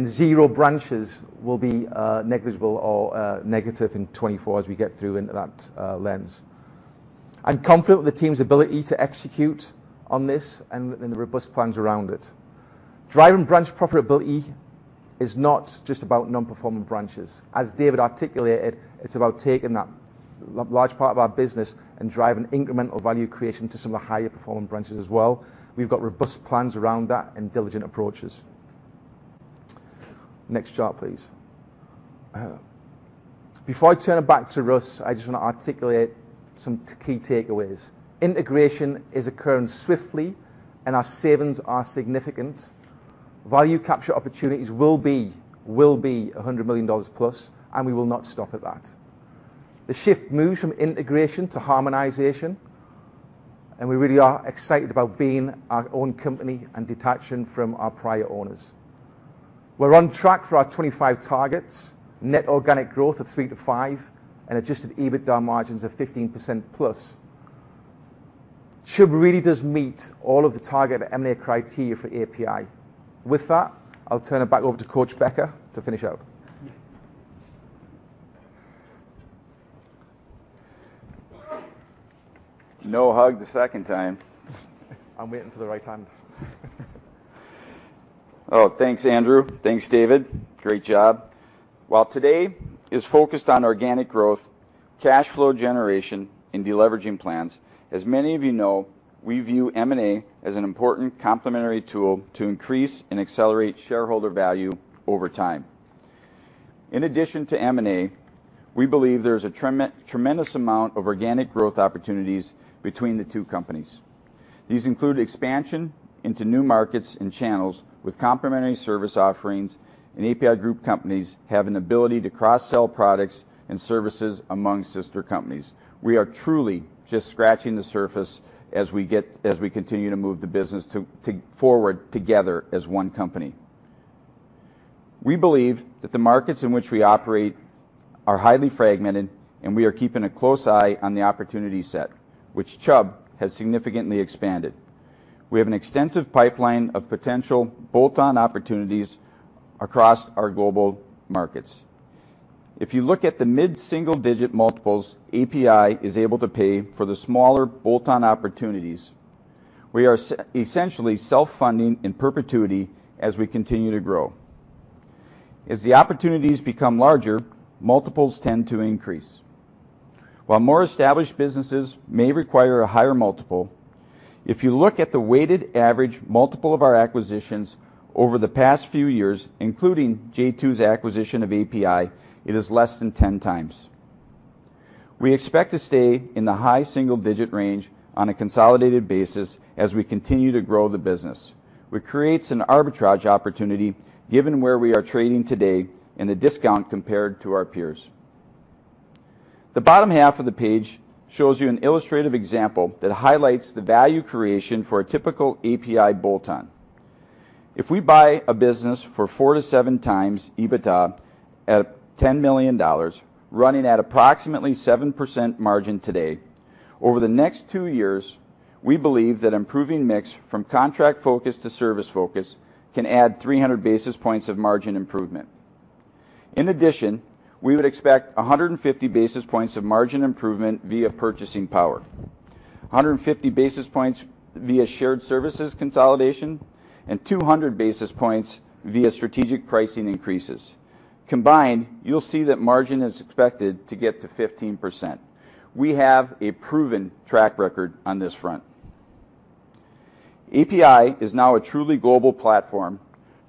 Zero branches will be negligible or negative in 2024 as we get through into that lens. I'm confident in the team's ability to execute on this and the robust plans around it. Driving branch profitability is not just about non-performing branches. As David articulated, it's about taking that large part of our business and driving incremental value creation to some of the higher-performing branches as well. We've got robust plans around that and diligent approaches. Next chart, please. Before I turn it back to Russ, I just want to articulate some key takeaways. Integration is occurring swiftly, and our savings are significant. Value capture opportunities will be $100 million+, and we will not stop at that. The shift moves from integration to harmonization, and we really are excited about being our own company and detaching from our prior owners. We're on track for our 2025 targets, net organic growth of 3%-5%, and adjusted EBITDA margins of 15%+. Chubb really does meet all of the target M&A criteria for APi. With that, I'll turn it back over to Coach Becker to finish up. No hug the second time. I'm waiting for the right time. Oh, thanks, Andrew. Thanks, David. Great job. While today is focused on organic growth, cash flow generation, and deleveraging plans, as many of you know, we view M&A as an important complementary tool to increase and accelerate shareholder value over time. In addition to M&A, we believe there's a tremendous amount of organic growth opportunities between the two companies. These include expansion into new markets and channels with complementary service offerings. APi Group companies have an ability to cross-sell products and services among sister companies. We are truly just scratching the surface as we continue to move the business forward together as one company. We believe that the markets in which we operate are highly fragmented. We are keeping a close eye on the opportunity set, which Chubb has significantly expanded. We have an extensive pipeline of potential bolt-on opportunities across our global markets. If you look at the mid-single-digit multiples APi is able to pay for the smaller bolt-on opportunities, we are essentially self-funding in perpetuity as we continue to grow. As the opportunities become larger, multiples tend to increase. While more established businesses may require a higher multiple, if you look at the weighted average multiple of our acquisitions over the past few years, including J2's acquisition of APi, it is less than 10x. We expect to stay in the high single-digit range on a consolidated basis as we continue to grow the business, which creates an arbitrage opportunity given where we are trading today and the discount compared to our peers. The bottom half of the page shows you an illustrative example that highlights the value creation for a typical APi bolt-on. If we buy a business for 4x-7x EBITDA at $10 million running at approximately 7% margin today, over the next two years, we believe that improving mix from contract focus to service focus can add 300 basis points of margin improvement. In addition, we would expect 150 basis points of margin improvement via purchasing power, 150 basis points via shared services consolidation, and 200 basis points via strategic pricing increases. Combined, you'll see that margin is expected to get to 15%. We have a proven track record on this front. APi is now a truly global platform,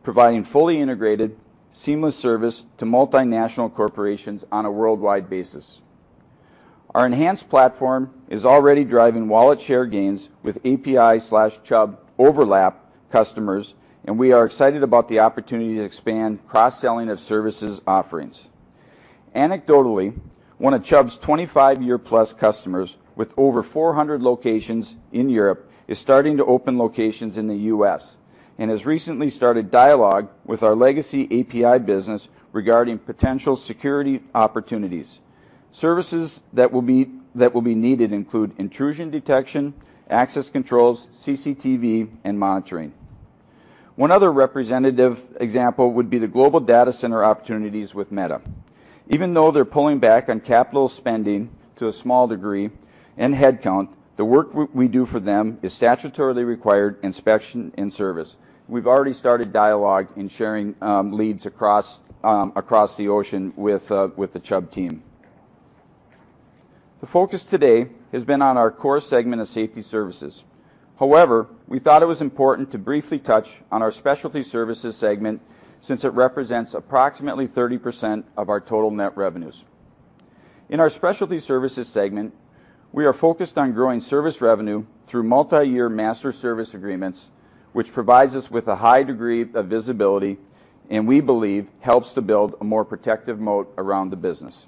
providing fully integrated seamless service to multinational corporations on a worldwide basis. Our enhanced platform is already driving wallet share gains with APi/Chubb overlap customers, and we are excited about the opportunity to expand cross-selling of services offerings. Anecdotally, one of Chubb's 25-year-plus customers with over 400 locations in Europe is starting to open locations in the U.S. and has recently started dialogue with our legacy APi business regarding potential security opportunities. Services that will be needed include intrusion detection, access controls, CCTV, and monitoring. One other representative example would be the global data center opportunities with Meta. Even though they're pulling back on capital spending to a small degree and headcount, the work we do for them is statutorily required inspection and service. We've already started dialogue in sharing leads across the ocean with the Chubb team. The focus today has been on our core segment of safety services. However, we thought it was important to briefly touch on our specialty services segment since it represents approximately 30% of our total net revenues. In our Specialty Services segment, we are focused on growing service revenue through multiyear master service agreements, which provides us with a high degree of visibility, and we believe helps to build a more protective moat around the business.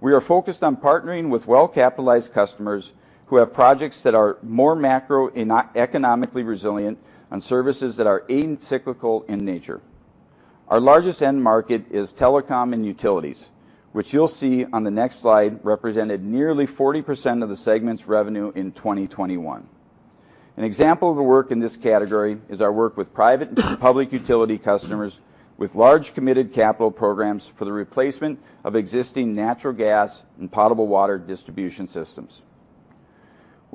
We are focused on partnering with well-capitalized customers who have projects that are more macro and economically resilient and services that are acyclical in nature. Our largest end market is telecom and utilities, which you'll see on the next slide represented nearly 40% of the segment's revenue in 2021. An example of the work in this category is our work with private and public utility customers with large committed capital programs for the replacement of existing natural gas and potable water distribution systems.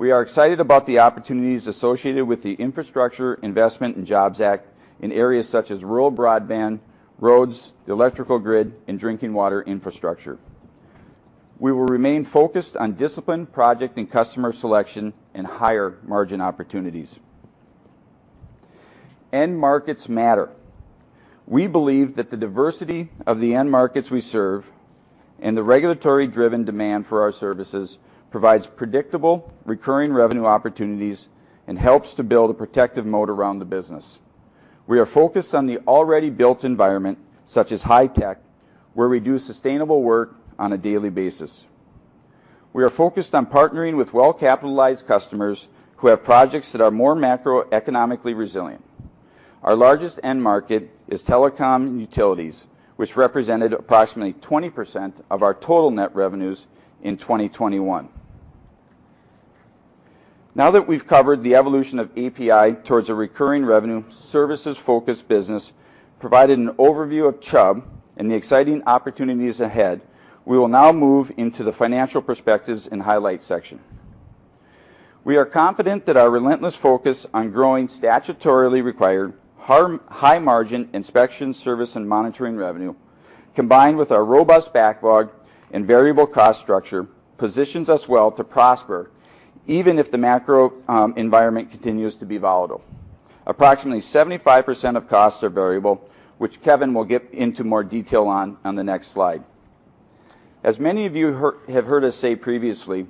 We are excited about the opportunities associated with the Infrastructure Investment and Jobs Act in areas such as rural broadband, roads, electrical grid, and drinking water infrastructure. We will remain focused on disciplined project and customer selection and higher margin opportunities. End markets matter. We believe that the diversity of the end markets we serve and the regulatory-driven demand for our services provides predictable recurring revenue opportunities and helps to build a protective moat around the business. We are focused on the already built environment, such as high-tech, where we do sustainable work on a daily basis. We are focused on partnering with well-capitalized customers who have projects that are more macroeconomically resilient. Our largest end market is telecom and utilities, which represented approximately 20% of our total net revenues in 2021. Now that we've covered the evolution of APi towards a recurring revenue services-focused business, provided an overview of Chubb and the exciting opportunities ahead, we will now move into the financial perspectives and highlights section. We are confident that our relentless focus on growing statutorily required high-margin inspection, service, and monitoring revenue, combined with our robust backlog and variable cost structure, positions us well to prosper even if the macro environment continues to be volatile. Approximately 75% of costs are variable, which Kevin will get into more detail on the next slide. As many of you have heard us say previously,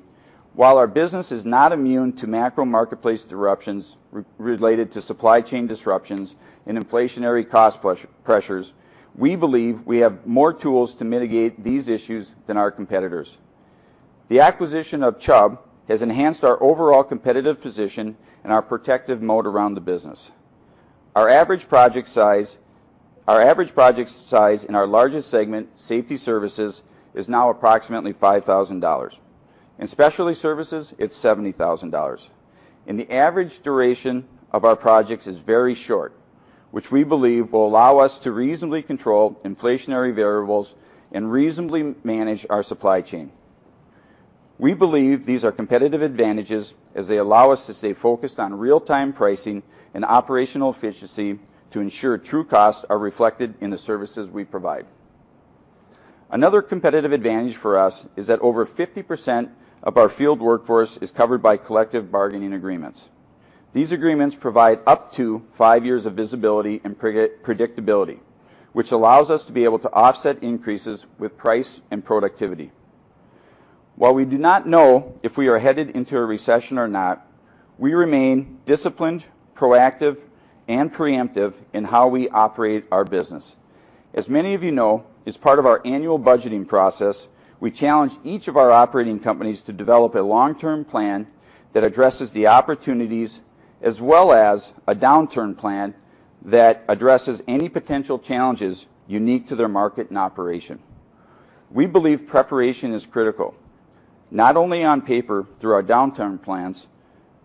while our business is not immune to macro marketplace disruptions related to supply chain disruptions and inflationary cost pressures, we believe we have more tools to mitigate these issues than our competitors. The acquisition of Chubb has enhanced our overall competitive position and our protective moat around the business. Our average project size in our largest segment, Safety Services, is now approximately $5 thousand. In Specialty Services, it's $70 thousand. The average duration of our projects is very short, which we believe will allow us to reasonably control inflationary variables and reasonably manage our supply chain. We believe these are competitive advantages as they allow us to stay focused on real-time pricing and operational efficiency to ensure true costs are reflected in the services we provide. Another competitive advantage for us is that over 50% of our field workforce is covered by collective bargaining agreements. These agreements provide up to five years of visibility and predictability, which allows us to be able to offset increases with price and productivity. While we do not know if we are headed into a recession or not, we remain disciplined, proactive, and preemptive in how we operate our business. As many of you know, as part of our annual budgeting process, we challenge each of our operating companies to develop a long-term plan that addresses the opportunities as well as a downturn plan that addresses any potential challenges unique to their market and operation. We believe preparation is critical, not only on paper through our downturn plans,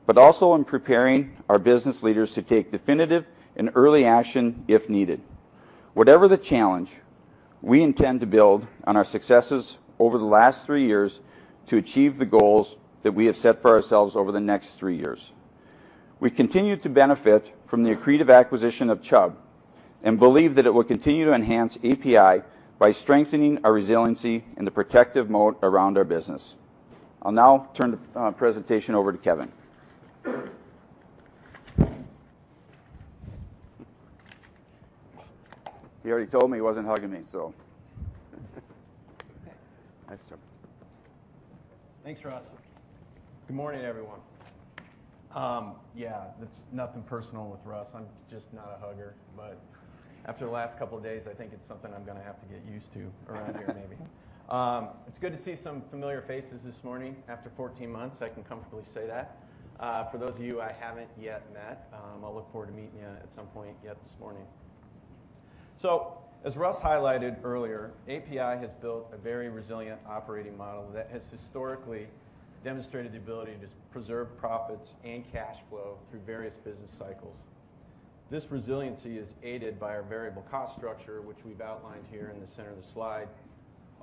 but also in preparing our business leaders to take definitive and early action if needed. Whatever the challenge, we intend to build on our successes over the last three years to achieve the goals that we have set for ourselves over the next three years. We continue to benefit from the accretive acquisition of Chubb and believe that it will continue to enhance APi by strengthening our resiliency and the protective moat around our business. I'll now turn the presentation over to Kevin. He already told me he wasn't hugging me. Nice job. Thanks, Russ. Good morning, everyone. Yeah, that's nothing personal with Russ. I'm just not a hugger. After the last couple of days, I think it's something I'm gonna have to get used to around here maybe. It's good to see some familiar faces this morning. After 14 months, I can comfortably say that. For those of you I haven't yet met, I'll look forward to meeting you at some point yet this morning. As Russ highlighted earlier, APi has built a very resilient operating model that has historically demonstrated the ability to preserve profits and cash flow through various business cycles. This resiliency is aided by our variable cost structure, which we've outlined here in the center of the slide.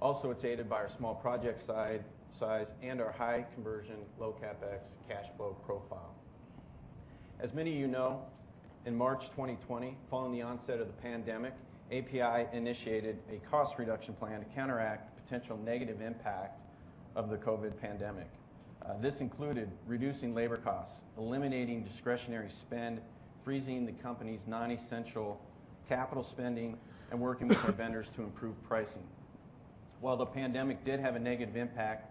Also, it's aided by our small project size and our high conversion, low CapEx cash flow profile. As many of you know, in March 2020, following the onset of the pandemic, APi initiated a cost reduction plan to counteract the potential negative impact of the COVID pandemic. This included reducing labor costs, eliminating discretionary spend, freezing the company's non-essential capital spending, and working with our vendors to improve pricing. While the pandemic did have a negative impact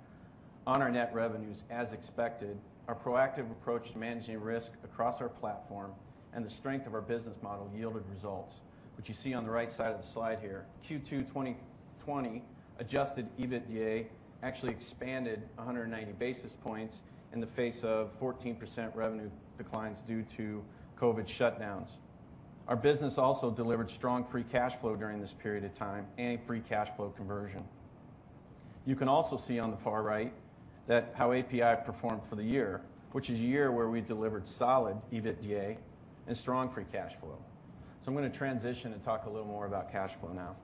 on our net revenues as expected, our proactive approach to managing risk across our platform and the strength of our business model yielded results, which you see on the right side of the slide here. Q2 2020 adjusted EBITDA actually expanded 190 basis points in the face of 14% revenue declines due to COVID shutdowns. Our business also delivered strong free cash flow during this period of time and a free cash flow conversion. You can also see on the far right that how APi performed for the year, which is a year where we delivered solid EBITDA and strong free cash flow. I'm gonna transition and talk a little more about cash flow now.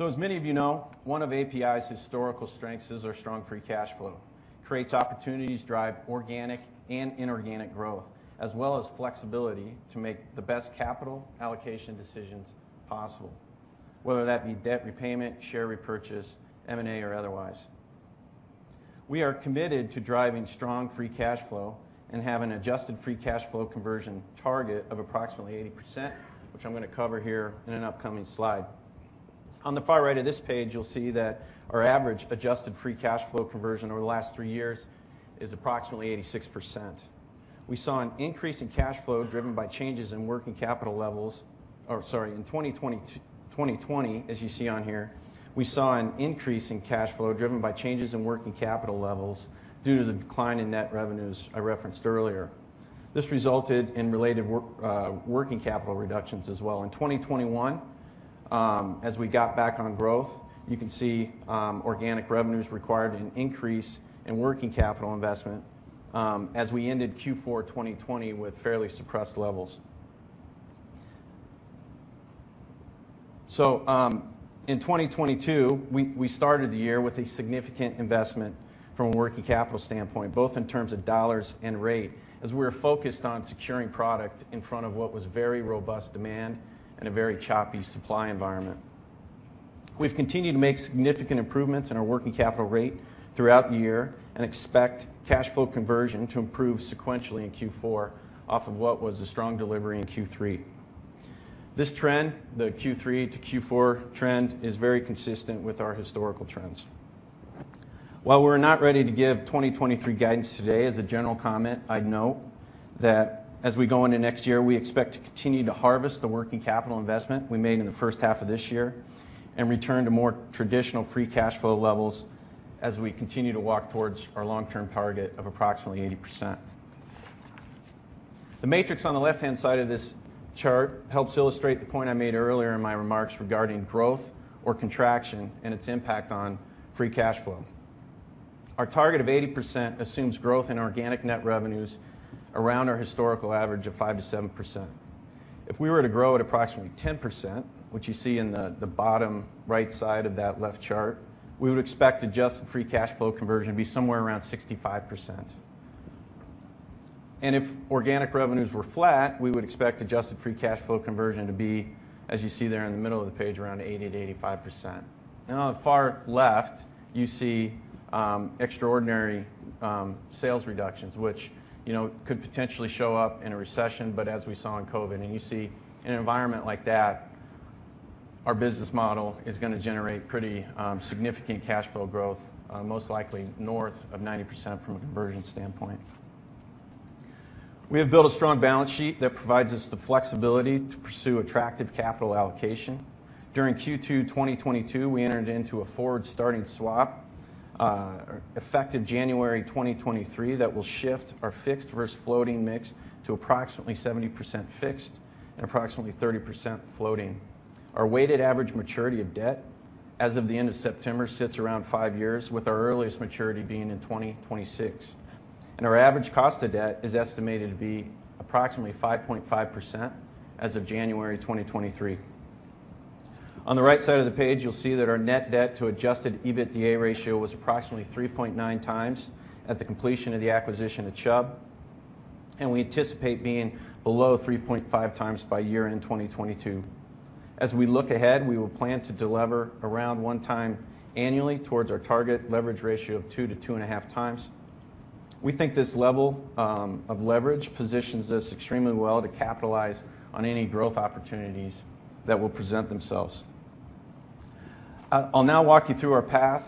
As many of you know, one of APi's historical strengths is our strong free cash flow. Creates opportunities to drive organic and inorganic growth as well as flexibility to make the best capital allocation decisions possible, whether that be debt repayment, share repurchase, M&A or otherwise. We are committed to driving strong free cash flow and have an adjusted free cash flow conversion target of approximately 80%, which I'm going to cover here in an upcoming slide. On the far right of this page, you'll see that our average adjusted free cash flow conversion over the last three years is approximately 86%. In 2020, as you see on here, we saw an increase in cash flow driven by changes in working capital levels due to the decline in net revenues I referenced earlier. This resulted in related working capital reductions as well. In 2021, as we got back on growth, you can see organic revenues required an increase in working capital investment as we ended Q4 2020 with fairly suppressed levels. In 2022, we started the year with a significant investment from a working capital standpoint, both in terms of dollars and rate, as we were focused on securing product in front of what was very robust demand and a very choppy supply environment. We've continued to make significant improvements in our working capital rate throughout the year and expect cash flow conversion to improve sequentially in Q4 off of what was a strong delivery in Q3. This trend, the Q3-Q4 trend, is very consistent with our historical trends. While we're not ready to give 2023 guidance today, as a general comment, I'd note that as we go into next year, we expect to continue to harvest the working capital investment we made in the first half of this year and return to more traditional free cash flow levels as we continue to walk towards our long-term target of approximately 80%. The matrix on the left-hand side of this chart helps illustrate the point I made earlier in my remarks regarding growth or contraction and its impact on free cash flow. Our target of 80% assumes growth in organic net revenues around our historical average of 5%-7%. If we were to grow at approximately 10%, which you see in the bottom right side of that left chart, we would expect adjusted free cash flow conversion to be somewhere around 65%. And if organic revenues were flat, we would expect adjusted free cash flow conversion to be, as you see there in the middle of the page, around 80%-85%. And on the far left, you see, um, extraordinary, um, sales reductions, which, you know, could potentially show up in a recession. But as we saw in COVID, and you see in an environment like that, our business model is going to generate pretty, um, significant cash flow growth, uh, most likely north of 90% from a conversion standpoint. We have built a strong balance sheet that provides us the flexibility to pursue attractive capital allocation. During Q2 2022, we entered into a forward starting swap effective January 2023 that will shift our fixed versus floating mix to approximately 70% fixed and approximately 30% floating. Our weighted average maturity of debt as of the end of September sits around five years, with our earliest maturity being in 2026. Our average cost of debt is estimated to be approximately 5.5% as of January 2023. On the right side of the page, you'll see that our net debt to adjusted EBITDA ratio was approximately 3.9x at the completion of the acquisition at Chubb, and we anticipate being below 3.5x by year-end 2022. As we look ahead, we will plan to delever around 1x annually towards our target leverage ratio of 2x-2.5x. We think this level of leverage positions us extremely well to capitalize on any growth opportunities that will present themselves. I'll now walk you through our path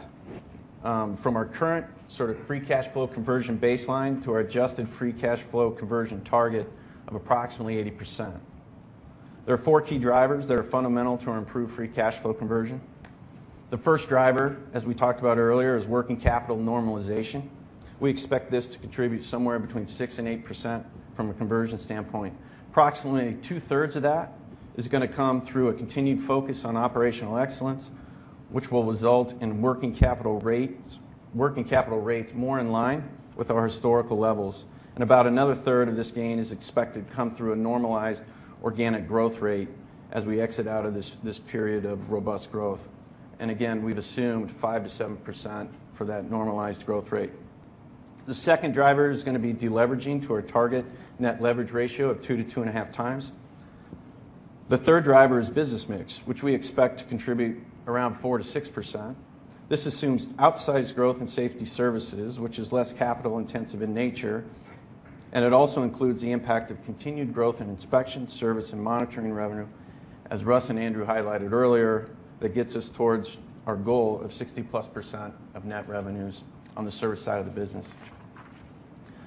from our current sort of free cash flow conversion baseline to our adjusted free cash flow conversion target of approximately 80%. There are four key drivers that are fundamental to our improved free cash flow conversion. The first driver, as we talked about earlier, is working capital normalization. We expect this to contribute somewhere between 6% and 8% from a conversion standpoint. Approximately 2/3 of that is going to come through a continued focus on operational excellence, which will result in working capital rates more in line with our historical levels. About another 1/3 of this gain is expected to come through a normalized organic growth rate as we exit out of this period of robust growth. Again, we've assumed 5%-7% for that normalized growth rate. The second driver is going to be deleveraging to our target net leverage ratio of 2x-2.5x. The third driver is business mix, which we expect to contribute around 4%-6%. This assumes outsized growth in safety services, which is less capital-intensive in nature, and it also includes the impact of continued growth in inspection, service, and monitoring revenue, as Russ and Andrew highlighted earlier, that gets us towards our goal of 60%+ of net revenues on the service side of the business.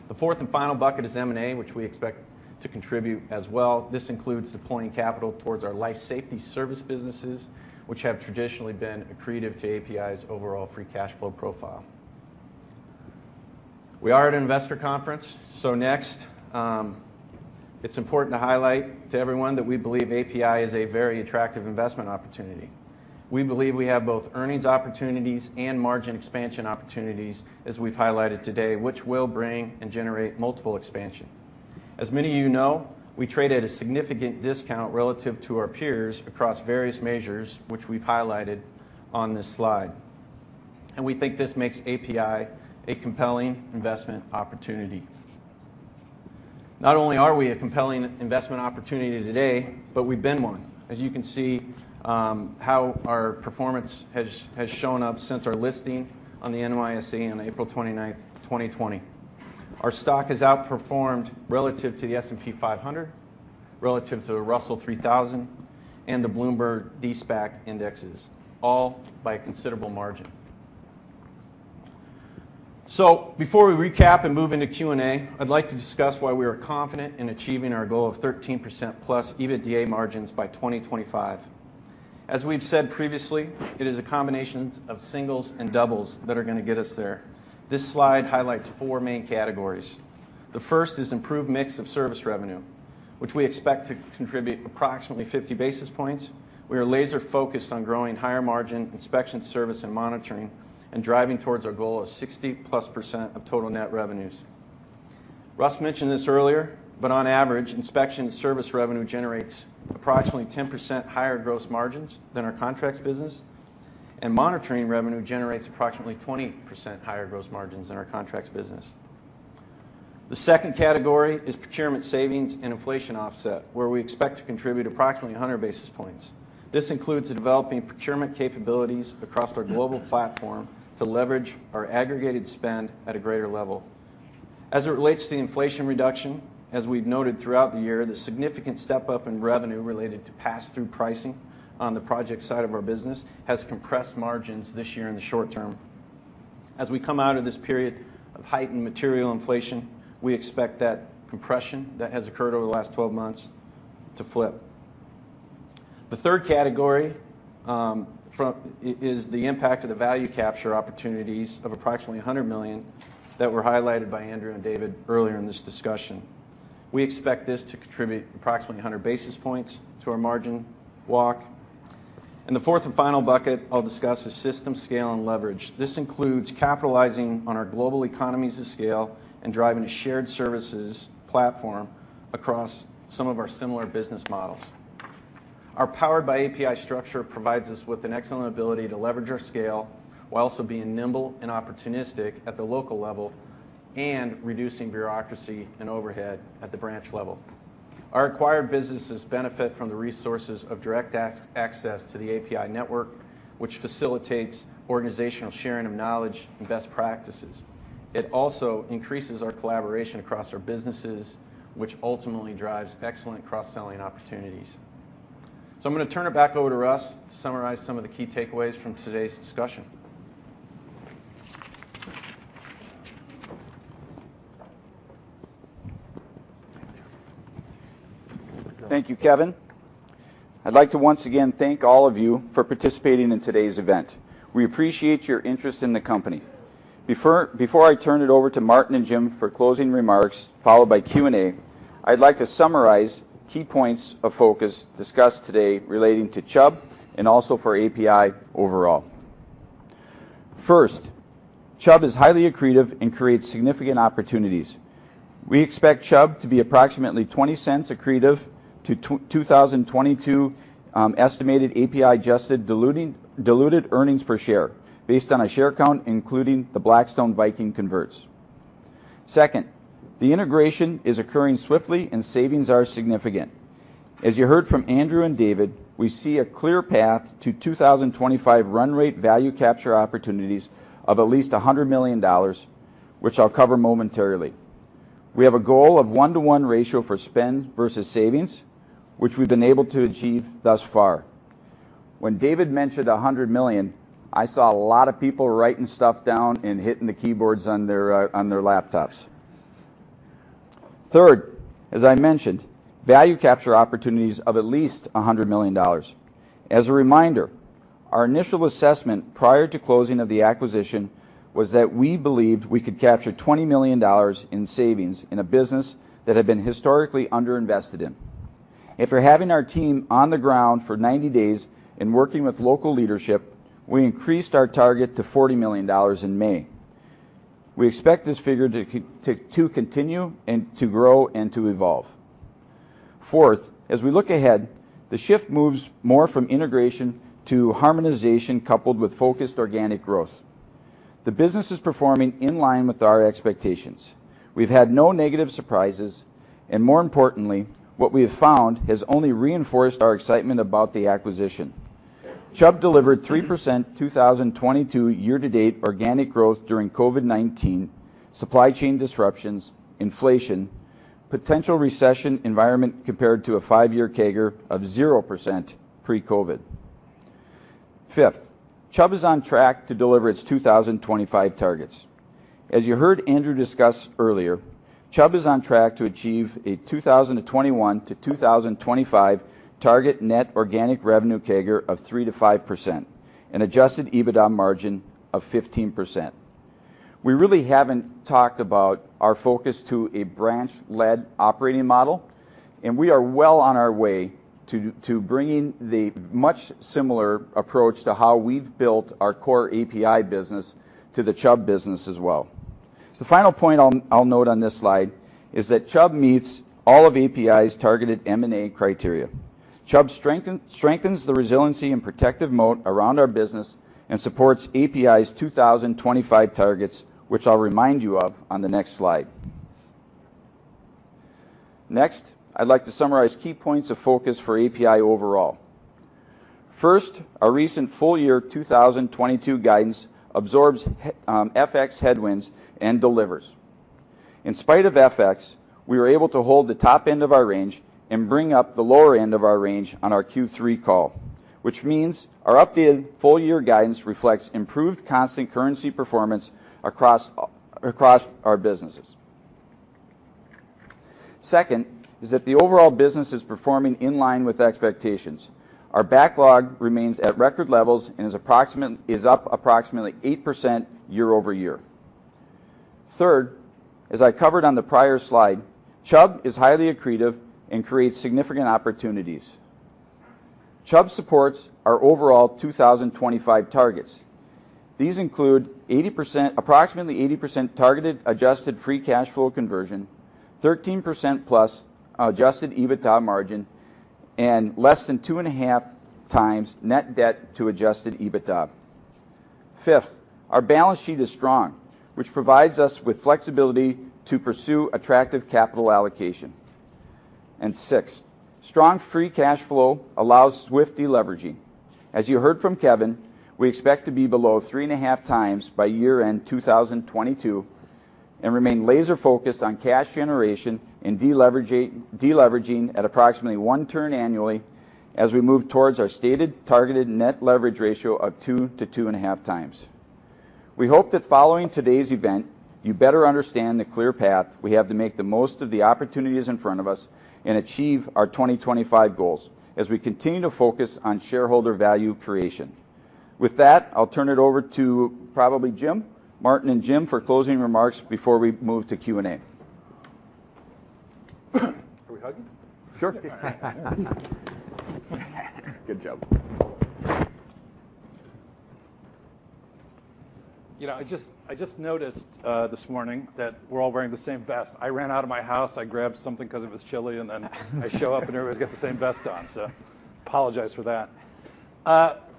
The fourth and final bucket is M&A, which we expect to contribute as well. This includes deploying capital towards our life safety service businesses, which have traditionally been accretive to APi's overall free cash flow profile. We are at an investor conference. Next, it's important to highlight to everyone that we believe APi is a very attractive investment opportunity. We believe we have both earnings opportunities and margin expansion opportunities, as we've highlighted today, which will bring and generate multiple expansion. As many of you know, we trade at a significant discount relative to our peers across various measures, which we've highlighted on this slide. We think this makes APi a compelling investment opportunity. Not only are we a compelling investment opportunity today, but we've been one. As you can see how our performance has shown up since our listing on the NYSE on April 29th, 2020, our stock has outperformed relative to the S&P 500, relative to the Russell 3,000, and the Bloomberg De-SPAC Index, all by a considerable margin. Before we recap and move into Q&A, I'd like to discuss why we are confident in achieving our goal of 13%+ EBITDA margins by 2025. As we've said previously, it is a combination of singles and doubles that are gonna get us there. This slide highlights four main categories. The first is improved mix of service revenue, which we expect to contribute approximately 50 basis points. We are laser-focused on growing higher-margin inspection service and monitoring, and driving towards our goal of 60%+ of total net revenues. Russ mentioned this earlier, but on average, inspection service revenue generates approximately 10% higher gross margins than our contracts business, and monitoring revenue generates approximately 20% higher gross margins than our contracts business. The second category is procurement savings and inflation offset, where we expect to contribute approximately 100 basis points. This includes developing procurement capabilities across our global platform to leverage our aggregated spend at a greater level. As it relates to the inflation reduction, as we've noted throughout the year, the significant step-up in revenue related to pass-through pricing on the project side of our business has compressed margins this year in the short term. As we come out of this period of heightened material inflation, we expect that compression that has occurred over the last 12 months to flip. The third category is the impact of the value capture opportunities of approximately $100 million that were highlighted by Andrew and David earlier in this discussion. We expect this to contribute approximately 100 basis points to our margin walk. The fourth and final bucket I'll discuss is system scale and leverage. This includes capitalizing on our global economies of scale and driving a shared services platform across some of our similar business models. Our Powered by APi structure provides us with an excellent ability to leverage our scale while also being nimble and opportunistic at the local level and reducing bureaucracy and overhead at the branch level. Our acquired businesses benefit from the resources of direct access to the APi network, which facilitates organizational sharing of knowledge and best practices. It also increases our collaboration across our businesses, which ultimately drives excellent cross-selling opportunities. I'm gonna turn it back over to Russ to summarize some of the key takeaways from today's discussion. Thank you, Kevin. I'd like to once again thank all of you for participating in today's event. We appreciate your interest in the company. Before I turn it over to Martin and Jim for closing remarks, followed by Q&A, I'd like to summarize key points of focus discussed today relating to Chubb and also for APi overall. First, Chubb is highly accretive and creates significant opportunities. We expect Chubb to be approximately $0.20 accretive to 2022 estimated APi-adjusted diluted earnings per share based on a share count including the Blackstone Viking converts. Second, the integration is occurring swiftly and savings are significant. As you heard from Andrew and David, we see a clear path to 2025 run rate value capture opportunities of at least $100 million, which I'll cover momentarily. We have a goal of 1/1 ratio for spend versus savings, which we've been able to achieve thus far. When David mentioned a $100 million, I saw a lot of people writing stuff down and hitting the keyboards on their laptops. Third, as I mentioned, value capture opportunities of at least a $100 million. As a reminder, our initial assessment prior to closing of the acquisition was that we believed we could capture $20 million in savings in a business that had been historically underinvested in. After having our team on the ground for 90 days and working with local leadership, we increased our target to $40 million in May. We expect this figure to continue and to grow and to evolve. Fourth, as we look ahead, the shift moves more from integration to harmonization, coupled with focused organic growth. The business is performing in line with our expectations. We've had no negative surprises, and more importantly, what we have found has only reinforced our excitement about the acquisition. Chubb delivered 3% 2022 year-to-date organic growth during COVID-19, supply chain disruptions, inflation, potential recession environment compared to a five-year CAGR of 0% pre-COVID. Fifth, Chubb is on track to deliver its 2025 targets. As you heard Andrew discuss earlier, Chubb is on track to achieve a 2021-2025 target net organic revenue CAGR of 3%-5% and adjusted EBITDA margin of 15%. We really haven't talked about our focus to a branch-led operating model, and we are well on our way to bringing the much similar approach to how we've built our core APi business to the Chubb business as well. The final point I'll note on this slide is that Chubb meets all of APi's targeted M&A criteria. Chubb strengthens the resiliency and protective moat around our business and supports APi's 2025 targets, which I'll remind you of on the next slide. Next, I'd like to summarize key points of focus for APi overall. First, our recent full-year 2022 guidance absorbs FX headwinds and delivers. In spite of FX, we were able to hold the top end of our range and bring up the lower end of our range on our Q3 call, which means our updated full-year guidance reflects improved constant currency performance across our businesses. Second is that the overall business is performing in line with expectations. Our backlog remains at record levels and is up approximately 8% year-over-year. Third, as I covered on the prior slide, Chubb is highly accretive and creates significant opportunities. Chubb supports our overall 2025 targets. These include approximately 80% targeted adjusted free cash flow conversion, 13%+ adjusted EBITDA margin, and less than 2.5x net debt to adjusted EBITDA. Fifth, our balance sheet is strong, which provides us with flexibility to pursue attractive capital allocation. Sixth, strong free cash flow allows swift deleveraging. As you heard from Kevin, we expect to be below 3.5x by year-end 2022 and remain laser-focused on cash generation and deleveraging at approximately one turn annually as we move towards our stated targeted net leverage ratio of 2x-2.5x. We hope that following today's event, you better understand the clear path we have to make the most of the opportunities in front of us and achieve our 2025 goals as we continue to focus on shareholder value creation. With that, I'll turn it over to Martin Franklin and James E. Lillie for closing remarks before we move to Q&A. Are we hugging? Sure. Good job. You know, I just noticed this morning that we're all wearing the same vest. I ran out of my house, I grabbed something 'cause it was chilly, and then I show up and everybody's got the same vest on. Apologize for that.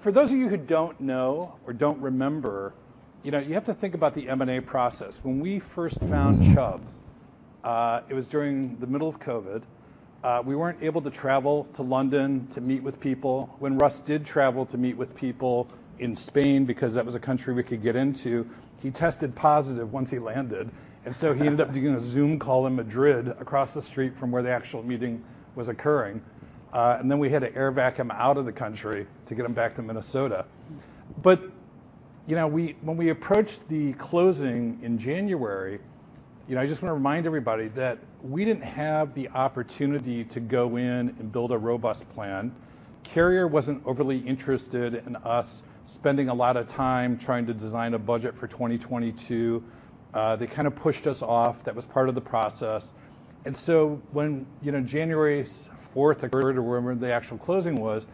For those of you who don't know or don't remember, you know, you have to think about the M&A process. When we first found Chubb, it was during the middle of COVID. We weren't able to travel to London to meet with people. When Russ did travel to meet with people in Spain, because that was a country we could get into, he tested positive once he landed, and so he ended up doing a Zoom call in Madrid across the street from where the actual meeting was occurring. We had to air-evac out of the country to get him back to Minnesota. You know, when we approached the closing in January, you know, I just want to remind everybody that we didn't have the opportunity to go in and build a robust plan. Carrier wasn't overly interested in us spending a lot of time trying to design a budget for 2022. They kind of pushed us off. That was part of the process. When, you know, January 4th or whatever the actual closing was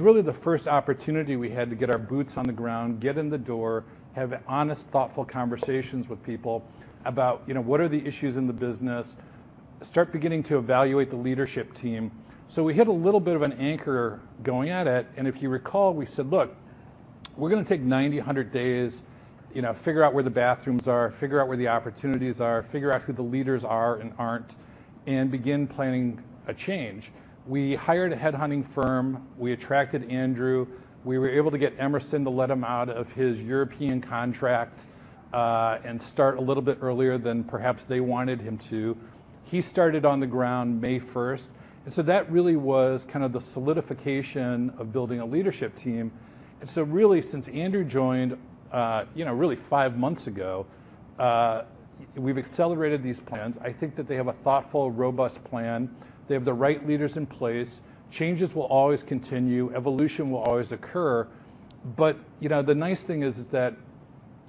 really the first opportunity we had to get our boots on the ground, get in the door, have honest, thoughtful conversations with people about, you know, what are the issues in the business, start beginning to evaluate the leadership team. We hit a little bit of an anchor going at it, and if you recall, we said, "Look, we're gonna take 90, 100 days, you know, figure out where the bathrooms are, figure out where the opportunities are, figure out who the leaders are and aren't, and begin planning a change." We hired a headhunting firm. We attracted Andrew. We were able to get Emerson to let him out of his European contract and start a little bit earlier than perhaps they wanted him to. He started on the ground May 1st. That really was kind of the solidification of building a leadership team. Really, since Andrew joined, you know, really five months ago, we've accelerated these plans. I think that they have a thoughtful, robust plan. They have the right leaders in place. Changes will always continue. Evolution will always occur. You know, the nice thing is that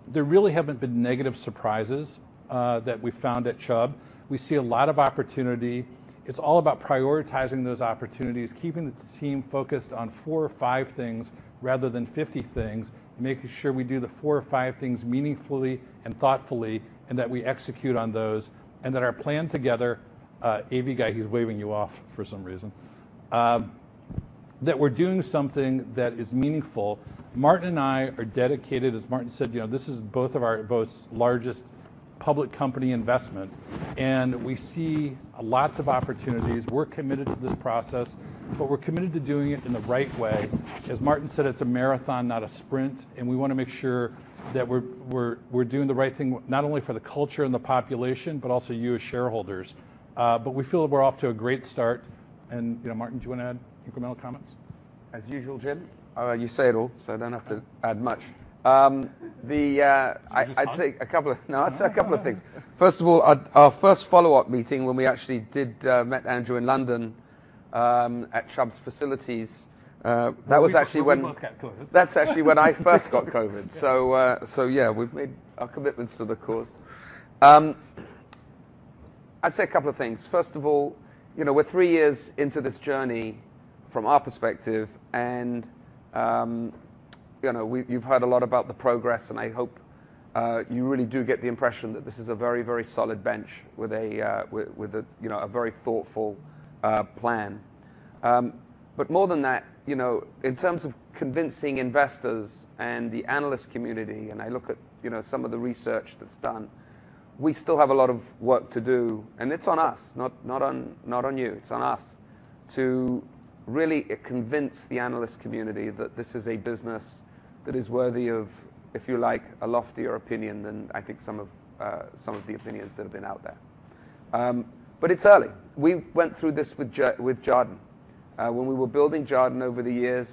there really haven't been negative surprises that we found at Chubb. We see a lot of opportunity. It's all about prioritizing those opportunities, keeping the team focused on four or five things rather than 50 things, making sure we do the four or five things meaningfully and thoughtfully, and that we execute on those, and that our plan together, A.V. guy, he's waving you off for some reason. That we're doing something that is meaningful. Martin and I are dedicated. As Martin said, you know, this is both of our most largest public company investment, and we see lots of opportunities. We're committed to this process, but we're committed to doing it in the right way. As Martin said, it's a marathon, not a sprint, and we wanna make sure that we're doing the right thing not only for the culture and the population, but also you as shareholders. We feel that we're off to a great start and, you know, Martin, do you wanna add incremental comments? As usual, Jim, you say it all, so I don't have to add much. Did you just fart? I'd say a couple of things. First of all, our first follow-up meeting when we actually met Andrew in London at Chubb's facilities, that was actually when. That was actually when we both got COVID. That's actually when I first got COVID. Yeah, we've made our commitments to the cause. I'd say a couple of things. First of all, you know, we're three years into this journey from our perspective and, you know, you've heard a lot about the progress. You really do get the impression that this is a very solid bench with, you know, a very thoughtful plan. More than that, you know, in terms of convincing investors and the analyst community, and I look at, you know, some of the research that's done, we still have a lot of work to do, and it's on us, not on you, it's on us to really convince the analyst community that this is a business that is worthy of, if you like, a loftier opinion than I think some of the opinions that have been out there. It's early. We went through this with Jarden. When we were building Jarden over the years,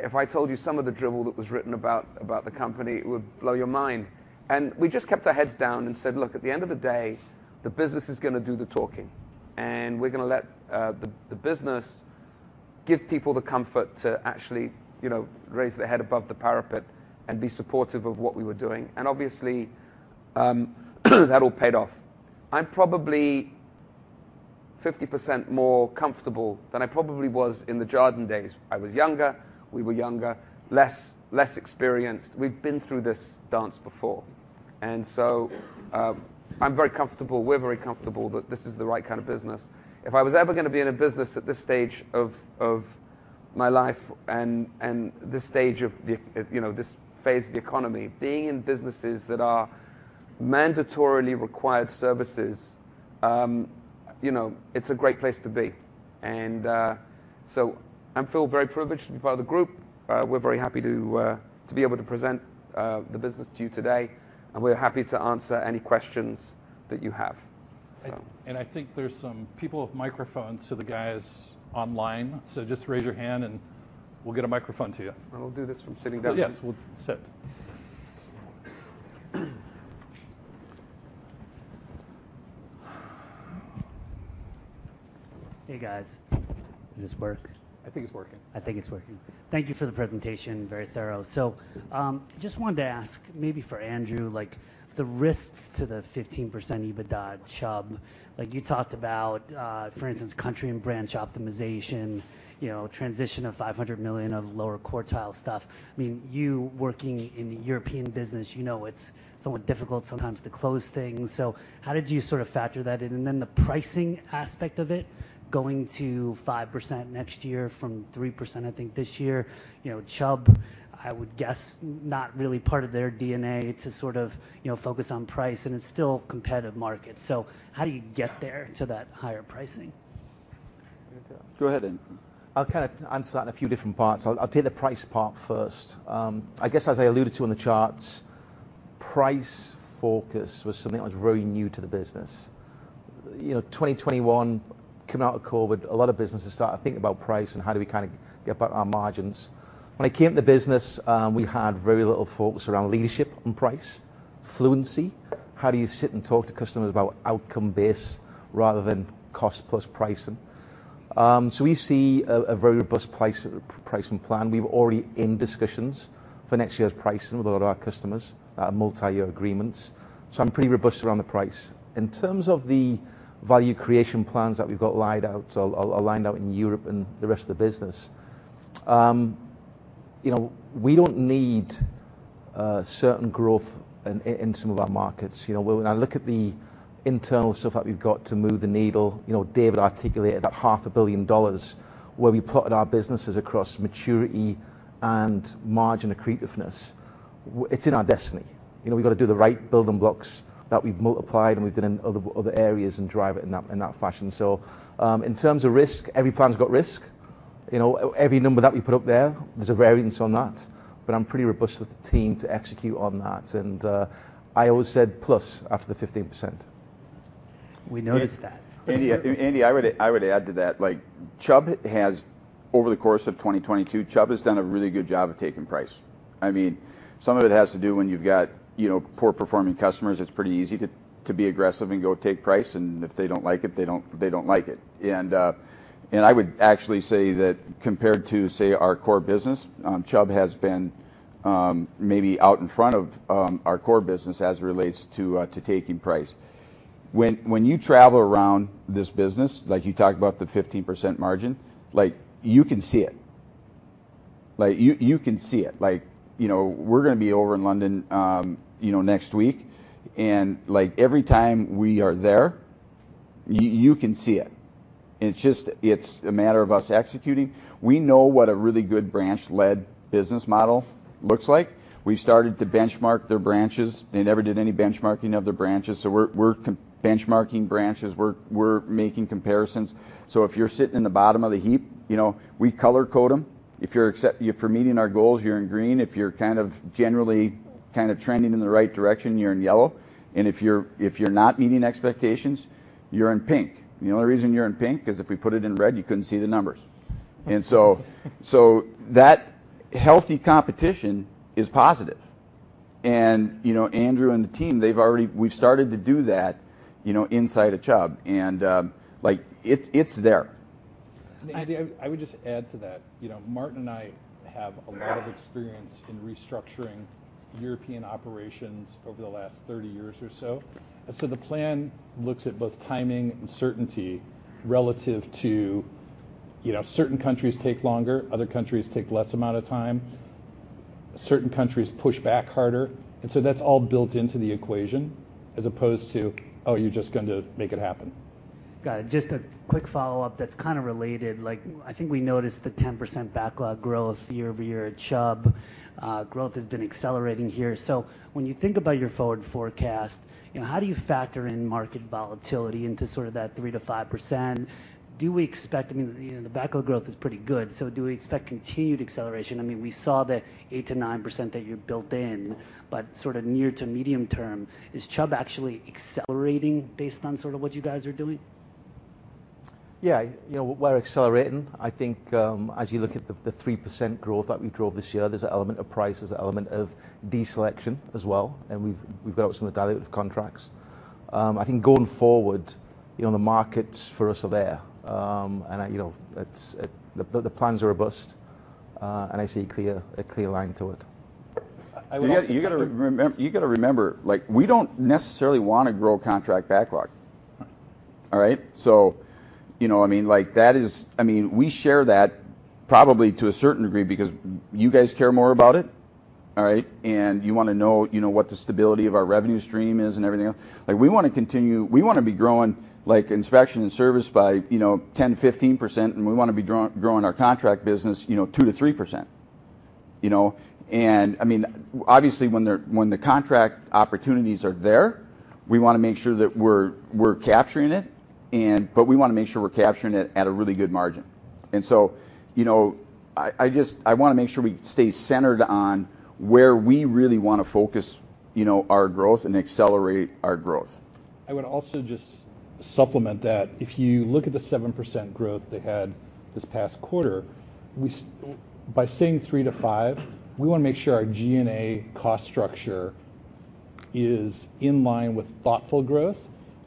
if I told you some of the drivel that was written about the company, it would blow your mind. We just kept our heads down and said, "Look, at the end of the day, the business is gonna do the talking, and we're gonna let the business give people the comfort to actually, you know, raise their head above the parapet and be supportive of what we were doing." Obviously, that all paid off. I'm probably 50% more comfortable than I probably was in the Jarden days. I was younger, we were younger, less experienced. We've been through this dance before. I'm very comfortable, we're very comfortable that this is the right kind of business. If I was ever gonna be in a business at this stage of my life and, you know, this phase of the economy, being in businesses that are mandatorily required services, you know, it's a great place to be. I feel very privileged to be part of the group. We're very happy to be able to present the business to you today, and we're happy to answer any questions that you have. I think there's some people with microphones to the guys online. Just raise your hand and we'll get a microphone to you. We'll do this from sitting down. Yes. We'll sit. Hey, guys. Does this work? I think it's working. I think it's working. Thank you for the presentation. Very thorough. Just wanted to ask maybe for Andrew, like the risks to the 15% EBITDA Chubb. Like you talked about, for instance, country and branch optimization, you know, transition of $500 million of lower quartile stuff. I mean, you working in the European business, you know it's somewhat difficult sometimes to close things. How did you sort of factor that in? The pricing aspect of it, going to 5% next year from 3% I think this year. You know, Chubb, I would guess not really part of their DNA to sort of, you know, focus on price, and it's still a competitive market. How do you get there to that higher pricing? You want to. Go ahead then. I'll kind of answer that in a few different parts. I'll take the price part first. I guess as I alluded to in the charts, price focus was something that was very new to the business. You know, 2021, coming out of COVID, a lot of businesses started thinking about price and how do we kind of get back our margins. When I came to the business, we had very little focus around leadership and price fluency. How do you sit and talk to customers about outcome-based rather than cost-plus pricing? We see a very robust pricing plan. We're already in discussions for next year's pricing with a lot of our customers, multiyear agreements. I'm pretty robust around the price. In terms of the value creation plans that we've got lined out in Europe and the rest of the business, you know, we don't need certain growth in some of our markets. You know, when I look at the internal stuff that we've got to move the needle, you know, David articulated that half a billion dollars where we plotted our businesses across maturity and margin accretiveness, it's in our destiny. You know, we've got to do the right building blocks that we've multiplied and we've done in other areas and drive it in that fashion. In terms of risk, every plan's got risk. You know, every number that we put up there's a variance on that. I'm pretty robust with the team to execute on that. I always said plus after the 15%. We noticed that. Andy, I would add to that, like over the course of 2022, Chubb has done a really good job of taking price. I mean, some of it has to do when you've got, you know, poor performing customers, it's pretty easy to be aggressive and go take price, and if they don't like it, they don't like it. I would actually say that compared to, say, our core business, Chubb has been maybe out in front of our core business as it relates to taking price. When you travel around this business, like you talked about the 15% margin, like you can see it. Like you can see it. Like, you know, we're gonna be over in London, you know, next week and like every time we are there, you can see it. It's just a matter of us executing. We know what a really good branch-led business model looks like. We started to benchmark their branches. They never did any benchmarking of their branches. We're benchmarking branches. We're making comparisons. If you're sitting in the bottom of the heap, you know, we color code them. If you're meeting our goals, you're in green. If you're kind of generally kind of trending in the right direction, you're in yellow. If you're not meeting expectations, you're in pink. The only reason you're in pink, 'cause if we put it in red, you couldn't see the numbers. That healthy competition is positive. You know, Andrew and the team, we've started to do that, you know, inside of Chubb and like it's there. Andy, I would just add to that. You know, Martin and I have a lot of experience in restructuring European operations over the last 30 years or so. The plan looks at both timing and certainty. You know, certain countries take longer, other countries take less amount of time. Certain countries push back harder. That's all built into the equation as opposed to, "Oh, you're just going to make it happen. Got it. Just a quick follow-up that's kind of related. Like, I think we noticed the 10% backlog growth year-over-year at Chubb. Growth has been accelerating here. When you think about your forward forecast, you know, how do you factor in market volatility into sort of that 3%-5%? I mean, you know, the backlog growth is pretty good. Do we expect continued acceleration? I mean, we saw the 8%-9% that you built in, but sort of near to medium term, is Chubb actually accelerating based on sort of what you guys are doing? Yeah, you know, we're accelerating. I think as you look at the 3% growth that we drove this year, there's an element of price, there's an element of deselection as well, and we've got obviously the dilutive contracts. I think going forward, you know, the markets for us are there. You know, the plans are robust. I see a clear line to it. I would also just. You gotta remember, like we don't necessarily want to grow contract backlog. All right. You know, I mean, like that is, I mean, we share that probably to a certain degree because you guys care more about it, all right. You want to know, you know, what the stability of our revenue stream is and everything else. Like, we want to be growing, like inspection and service by, you know, 10%-15%, and we want to be growing our contract business, you know, 2%-3%. You know. I mean, obviously, when the contract opportunities are there, we want to make sure that we're capturing it. We want to make sure we're capturing it at a really good margin. You know, I want to make sure we stay centered on where we really want to focus, you know, our growth and accelerate our growth. I would also just supplement that. If you look at the 7% growth they had this past quarter, by saying 3%-5%, we want to make sure our G&A cost structure is in line with thoughtful growth.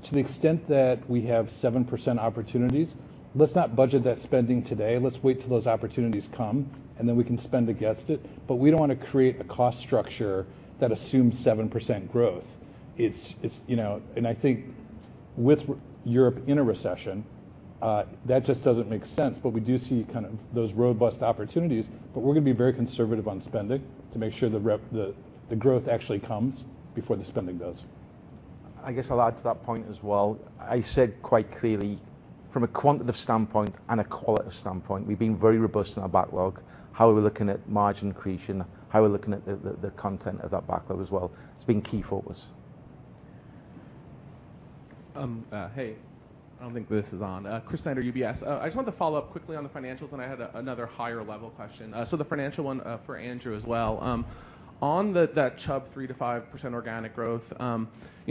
To the extent that we have 7% opportunities, let's not budget that spending today. Let's wait till those opportunities come, and then we can spend against it. We don't want to create a cost structure that assumes 7% growth. It's, you know. I think with Europe in a recession, that just doesn't make sense. We do see kind of those robust opportunities, but we're going to be very conservative on spending to make sure the growth actually comes before the spending does. I guess I'll add to that point as well. I said quite clearly, from a quantitative standpoint and a qualitative standpoint, we've been very robust in our backlog, how we're looking at margin accretion, how we're looking at the content of that backlog as well. It's been key for us. Hey. I don't think this is on. Chris Snyder, UBS. I just wanted to follow up quickly on the financials, and I had another higher level question. The financial one for Andrew as well. On that Chubb 3%-5% organic growth, you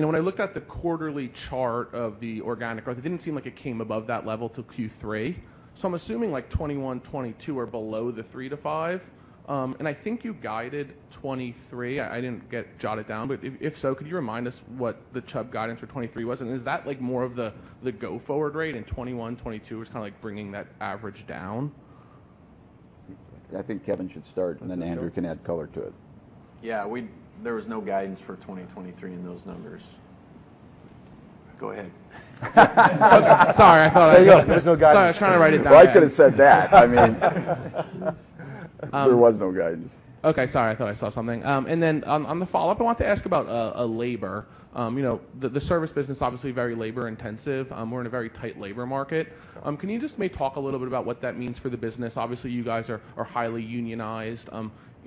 know, when I looked at the quarterly chart of the organic growth, it didn't seem like it came above that level till Q3. I'm assuming like 2021, 2022 are below the 3%-5%. I think you guided 2023. I didn't jot it down. If so, could you remind us what the Chubb guidance for 2023 was? Is that like more of the go forward rate and 2021, 2022 was kind of like bringing that average down? I think Kevin should start, and then Andrew can add color to it. Yeah. There was no guidance for 2023 in those numbers. Go ahead. Okay. Sorry. There you go. There's no guidance. Sorry. I was trying to write it down. Well, I could've said that. I mean, there was no guidance. Okay. Sorry, I thought I saw something. On the follow-up, I wanted to ask about labor. You know, the service business, obviously very labor intensive. We're in a very tight labor market. Can you just maybe talk a little bit about what that means for the business? Obviously, you guys are highly unionized.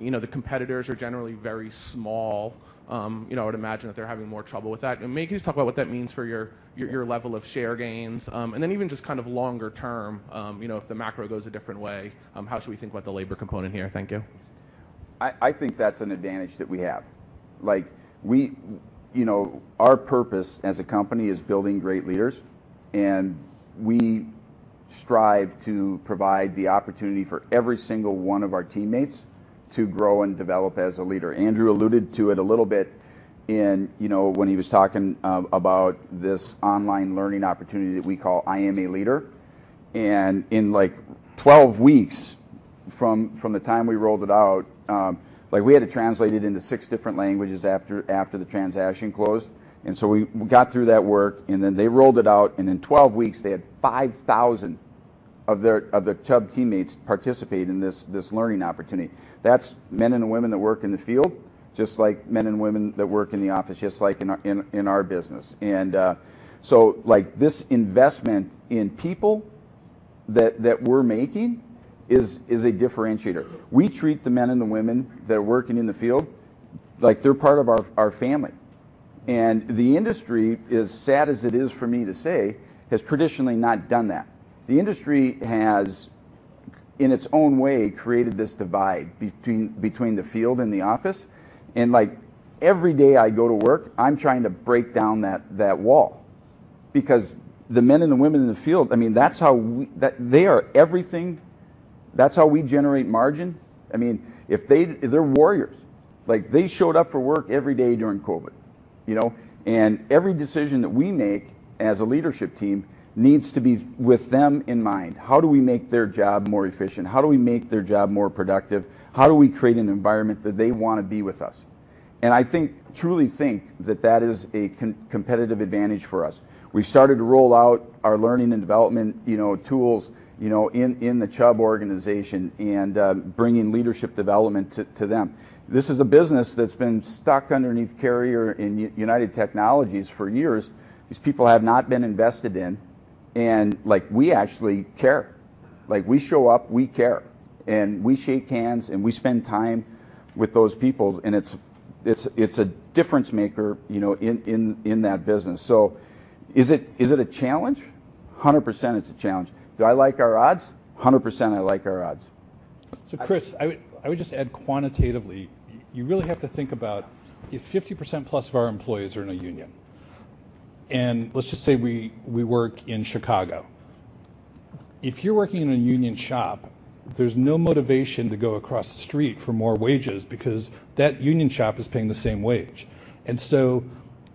You know, the competitors are generally very small. You know, I would imagine that they're having more trouble with that. I mean, can you just talk about what that means for your level of share gains? Even just kind of longer term, you know, if the macro goes a different way, how should we think about the labor component here? Thank you. I think that's an advantage that we have. Like, you know, our purpose as a company is building great leaders, and we strive to provide the opportunity for every single one of our teammates to grow and develop as a leader. Andrew alluded to it a little bit, you know, when he was talking about this online learning opportunity that we call I am a Leader. In like 12 weeks from the time we rolled it out, like we had to translate it into six different languages after the transaction closed. We got through that work, and then they rolled it out, and in 12 weeks, they had 5,000 of their Chubb teammates participate in this learning opportunity. That's men and women that work in the field, just like men and women that work in the office, just like in our business. Like this investment in people that we're making is a differentiator. We treat the men and the women that are working in the field like they're part of our family. The industry, as sad as it is for me to say, has traditionally not done that. The industry has, in its own way, created this divide between the field and the office. Like every day I go to work, I'm trying to break down that wall because the men and the women in the field, I mean, they are everything. That's how we generate margin. I mean, they're warriors. Like, they showed up for work every day during COVID, you know? Every decision that we make as a leadership team needs to be with them in mind. How do we make their job more efficient? How do we make their job more productive? How do we create an environment that they want to be with us? I think, truly think, that that is a competitive advantage for us. We started to roll out our learning and development, you know, tools, you know, in the Chubb organization and bringing leadership development to them. This is a business that's been stuck underneath Carrier and United Technologies for years. These people have not been invested in and, like, we actually care. Like, we show up, we care, and we shake hands, and we spend time with those people. It's a difference maker, you know, in that business. Is it a challenge? 100% it's a challenge. Do I like our odds? 100% I like our odds. Chris, I would just add quantitatively, you really have to think about if 50%+ of our employees are in a union, and let's just say we work in Chicago. If you're working in a union shop, there's no motivation to go across the street for more wages because that union shop is paying the same wage.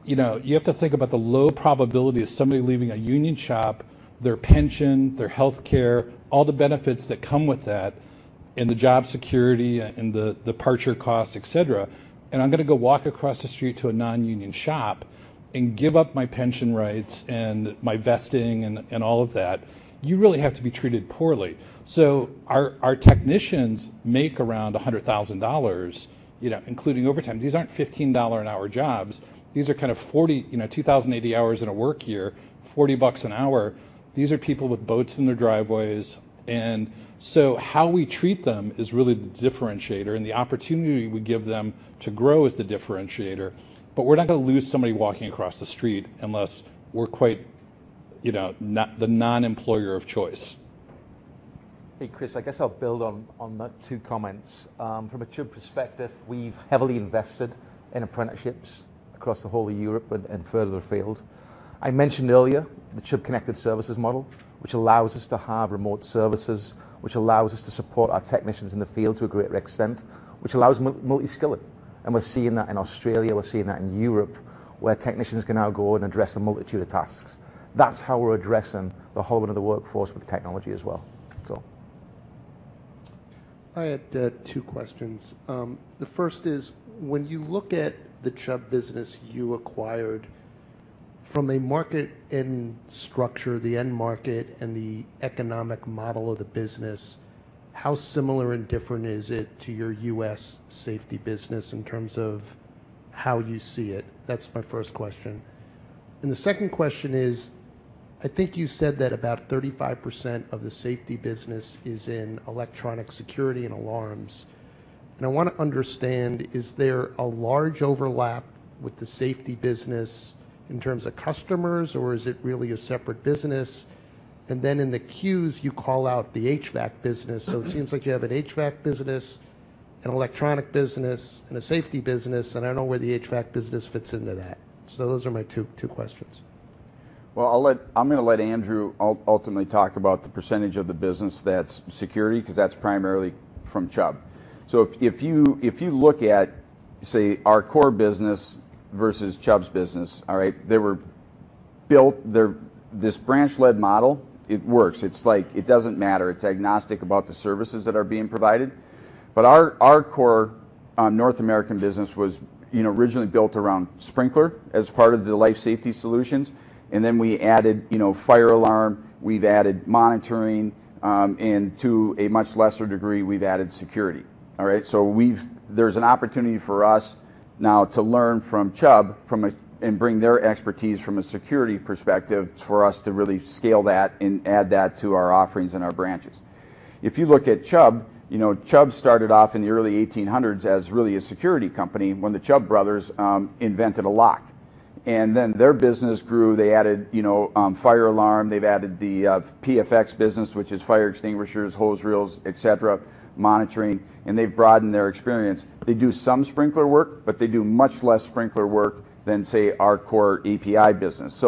You know, you have to think about the low probability of somebody leaving a union shop, their pension, their healthcare, all the benefits that come with that and the job security and the departure cost, et cetera. I'm gonna go walk across the street to a non-union shop and give up my pension rights and my vesting and all of that, you really have to be treated poorly. Our technicians make around $100 thousand, you know, including overtime. These aren't $15 an hour jobs. These are kind of 40, you know, 2,080 hours in a work year, $40 bucks an hour. These are people with boats in their driveways. How we treat them is really the differentiator and the opportunity we give them to grow is the differentiator. We're not gonna lose somebody walking across the street unless we're quite, you know, not the non-employer of choice. Hey, Chris, I guess I'll build on that two comments. From a Chubb perspective, we've heavily invested in apprenticeships across the whole of Europe and further afield. I mentioned earlier the Chubb Connected Services model, which allows us to have remote services, which allows us to support our technicians in the field to a greater extent, which allows multi-skilling. We're seeing that in Australia, we're seeing that in Europe, where technicians can now go and address a multitude of tasks. That's how we're addressing the whole of the workforce with technology as well. I had two questions. The first is, when you look at the Chubb business you acquired, from a market end structure, the end market and the economic model of the business, how similar and different is it to your U.S. safety business in terms of how you see it? That's my first question. The second question is, I think you said that about 35% of the safety business is in electronic security and alarms. I wanna understand, is there a large overlap with the safety business in terms of customers or is it really a separate business? In the Qs, you call out the HVAC business. It seems like you have an HVAC business, an electronic business and a safety business, and I don't know where the HVAC business fits into that. Those are my two questions. Well, I'm gonna let Andrew ultimately talk about the percentage of the business that's security 'cause that's primarily from Chubb. If you look at, say, our core business versus Chubb's business, all right? This branch-led model, it works. It's like it doesn't matter. It's agnostic about the services that are being provided. Our core North American business was, you know, originally built around sprinkler as part of the life safety solutions. We added, you know, fire alarm, we've added monitoring, and to a much lesser degree, we've added security. All right? There's an opportunity for us now to learn from Chubb and bring their expertise from a security perspective for us to really scale that and add that to our offerings and our branches. If you look at Chubb, you know, Chubb started off in the early 1800s as really a security company when the Chubb brothers invented a lock. Their business grew. They added, you know, fire alarm. They've added the PFE business, which is fire extinguishers, hose reels, et cetera, monitoring, and they've broadened their experience. They do some sprinkler work, but they do much less sprinkler work than, say, our core APi business.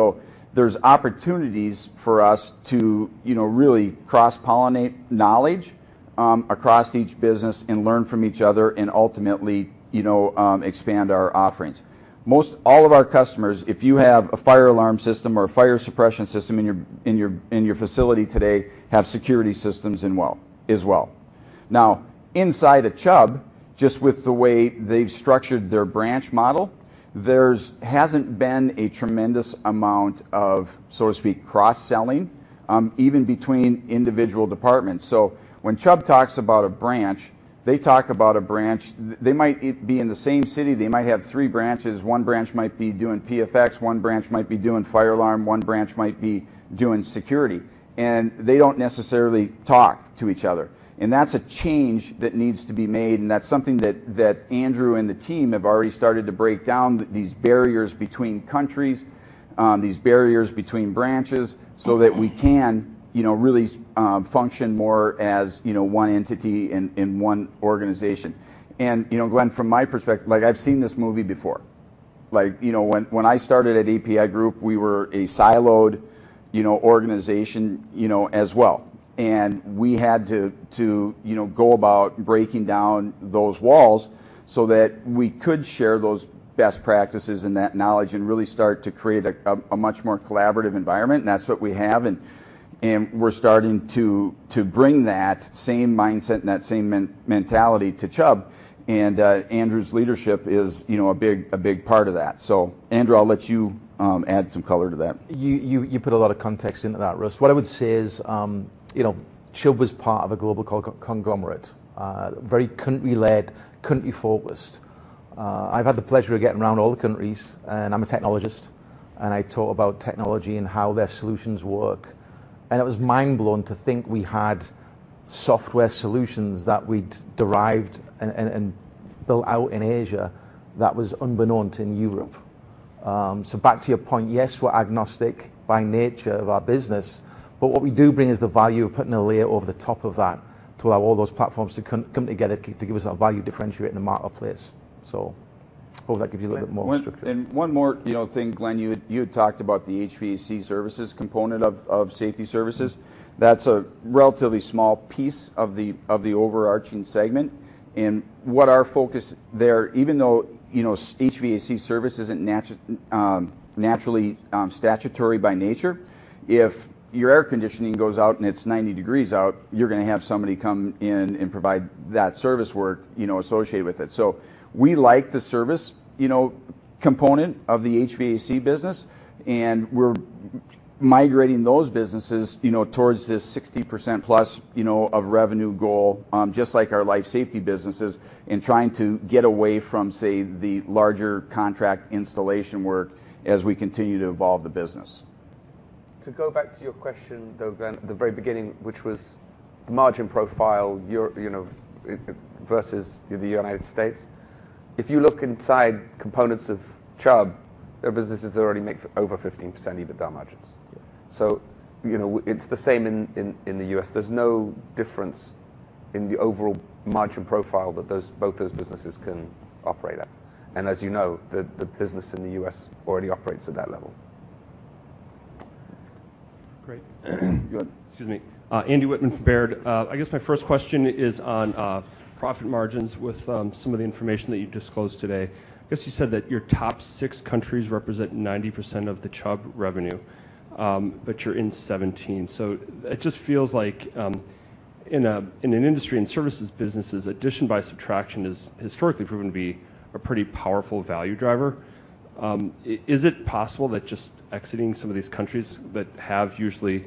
There's opportunities for us to, you know, really cross-pollinate knowledge across each business and learn from each other and ultimately, you know, expand our offerings. Most all of our customers, if you have a fire alarm system or a fire suppression system in your facility today, have security systems as well. Now, inside of Chubb, just with the way they've structured their branch model, there hasn't been a tremendous amount of, so to speak, cross-selling even between individual departments. When Chubb talks about a branch, they talk about a branch. They might be in the same city, they might have three branches. One branch might be doing PFE, one branch might be doing fire alarm, one branch might be doing security, and they don't necessarily talk to each other. That's a change that needs to be made, and that's something that Andrew and the team have already started to break down these barriers between countries, these barriers between branches, so that we can, you know, really function more as, you know, one entity in one organization. You know, Glenn, from my perspective, like I've seen this movie before. Like, you know, when I started at APi Group, we were a siloed, you know, organization, you know, as well. We had to, you know, go about breaking down those walls so that we could share those best practices and that knowledge and really start to create a much more collaborative environment, and that's what we have. We're starting to bring that same mindset and that same mentality to Chubb. Andrew's leadership is, you know, a big part of that. Andrew, I'll let you add some color to that. You put a lot of context into that, Russ. What I would say is, you know, Chubb was part of a global conglomerate, very country-led, country-focused. I've had the pleasure of getting around all the countries, and I'm a technologist, and I talk about technology and how their solutions work. It was mind-blowing to think we had software solutions that we'd derived and built out in Asia that was unbeknownst in Europe. Back to your point, yes, we're agnostic by nature of our business, but what we do bring is the value of putting a layer over the top of that to allow all those platforms to come together to give us that value differentiate in the marketplace. Hope that gives you a little bit more structure. One more, you know, thing, Glenn. You had talked about the HVAC services component of Safety Services. That's a relatively small piece of the overarching segment. What our focus there, even though, you know, HVAC service isn't naturally statutory by nature, if your air conditioning goes out and it's 90 degrees out, you're gonna have somebody come in and provide that service work, you know, associated with it. We like the service, you know, component of the HVAC business, and we're migrating those businesses, you know, towards this 60%+, you know, of revenue goal, just like our life safety businesses and trying to get away from, say, the larger contract installation work as we continue to evolve the business. To go back to your question, though, Glenn, at the very beginning, which was the margin profile, Europe, you know, versus the United States. If you look inside components of Chubb, their businesses already make over 15% EBITDA margins. Yeah. You know, it's the same in the U.S. There's no difference in the overall margin profile that both those businesses can operate at. As you know, the business in the U.S. already operates at that level. Great. Go on. Excuse me. Andy Wittmann from Baird. I guess my first question is on profit margins with some of the information that you've disclosed today. I guess you said that your top six countries represent 90% of the Chubb revenue, but you're in 17. It just feels like, in an industry and services businesses, addition by subtraction has historically proven to be a pretty powerful value driver. Is it possible that just exiting some of these countries that have unusual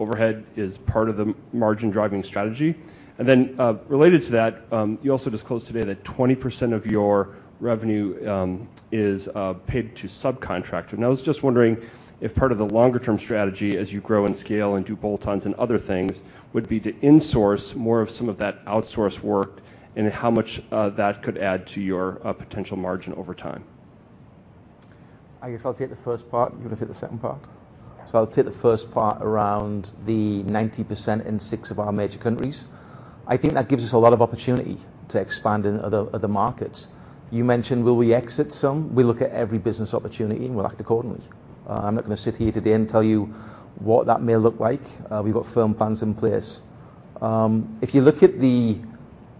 overhead is part of the margin driving strategy? Related to that, you also disclosed today that 20% of your revenue is paid to subcontractor. I was just wondering if part of the longer-term strategy as you grow and scale and do bolt-ons and other things would be to insource more of some of that outsource work, and how much that could add to your potential margin over time. I guess I'll take the first part. You wanna take the second part? Yeah. I'll take the first part around the 90% in six of our major countries. I think that gives us a lot of opportunity to expand in other markets. You mentioned will we exit some. We look at every business opportunity, and we'll act accordingly. I'm not gonna sit here today and tell you what that may look like. We've got firm plans in place. If you look at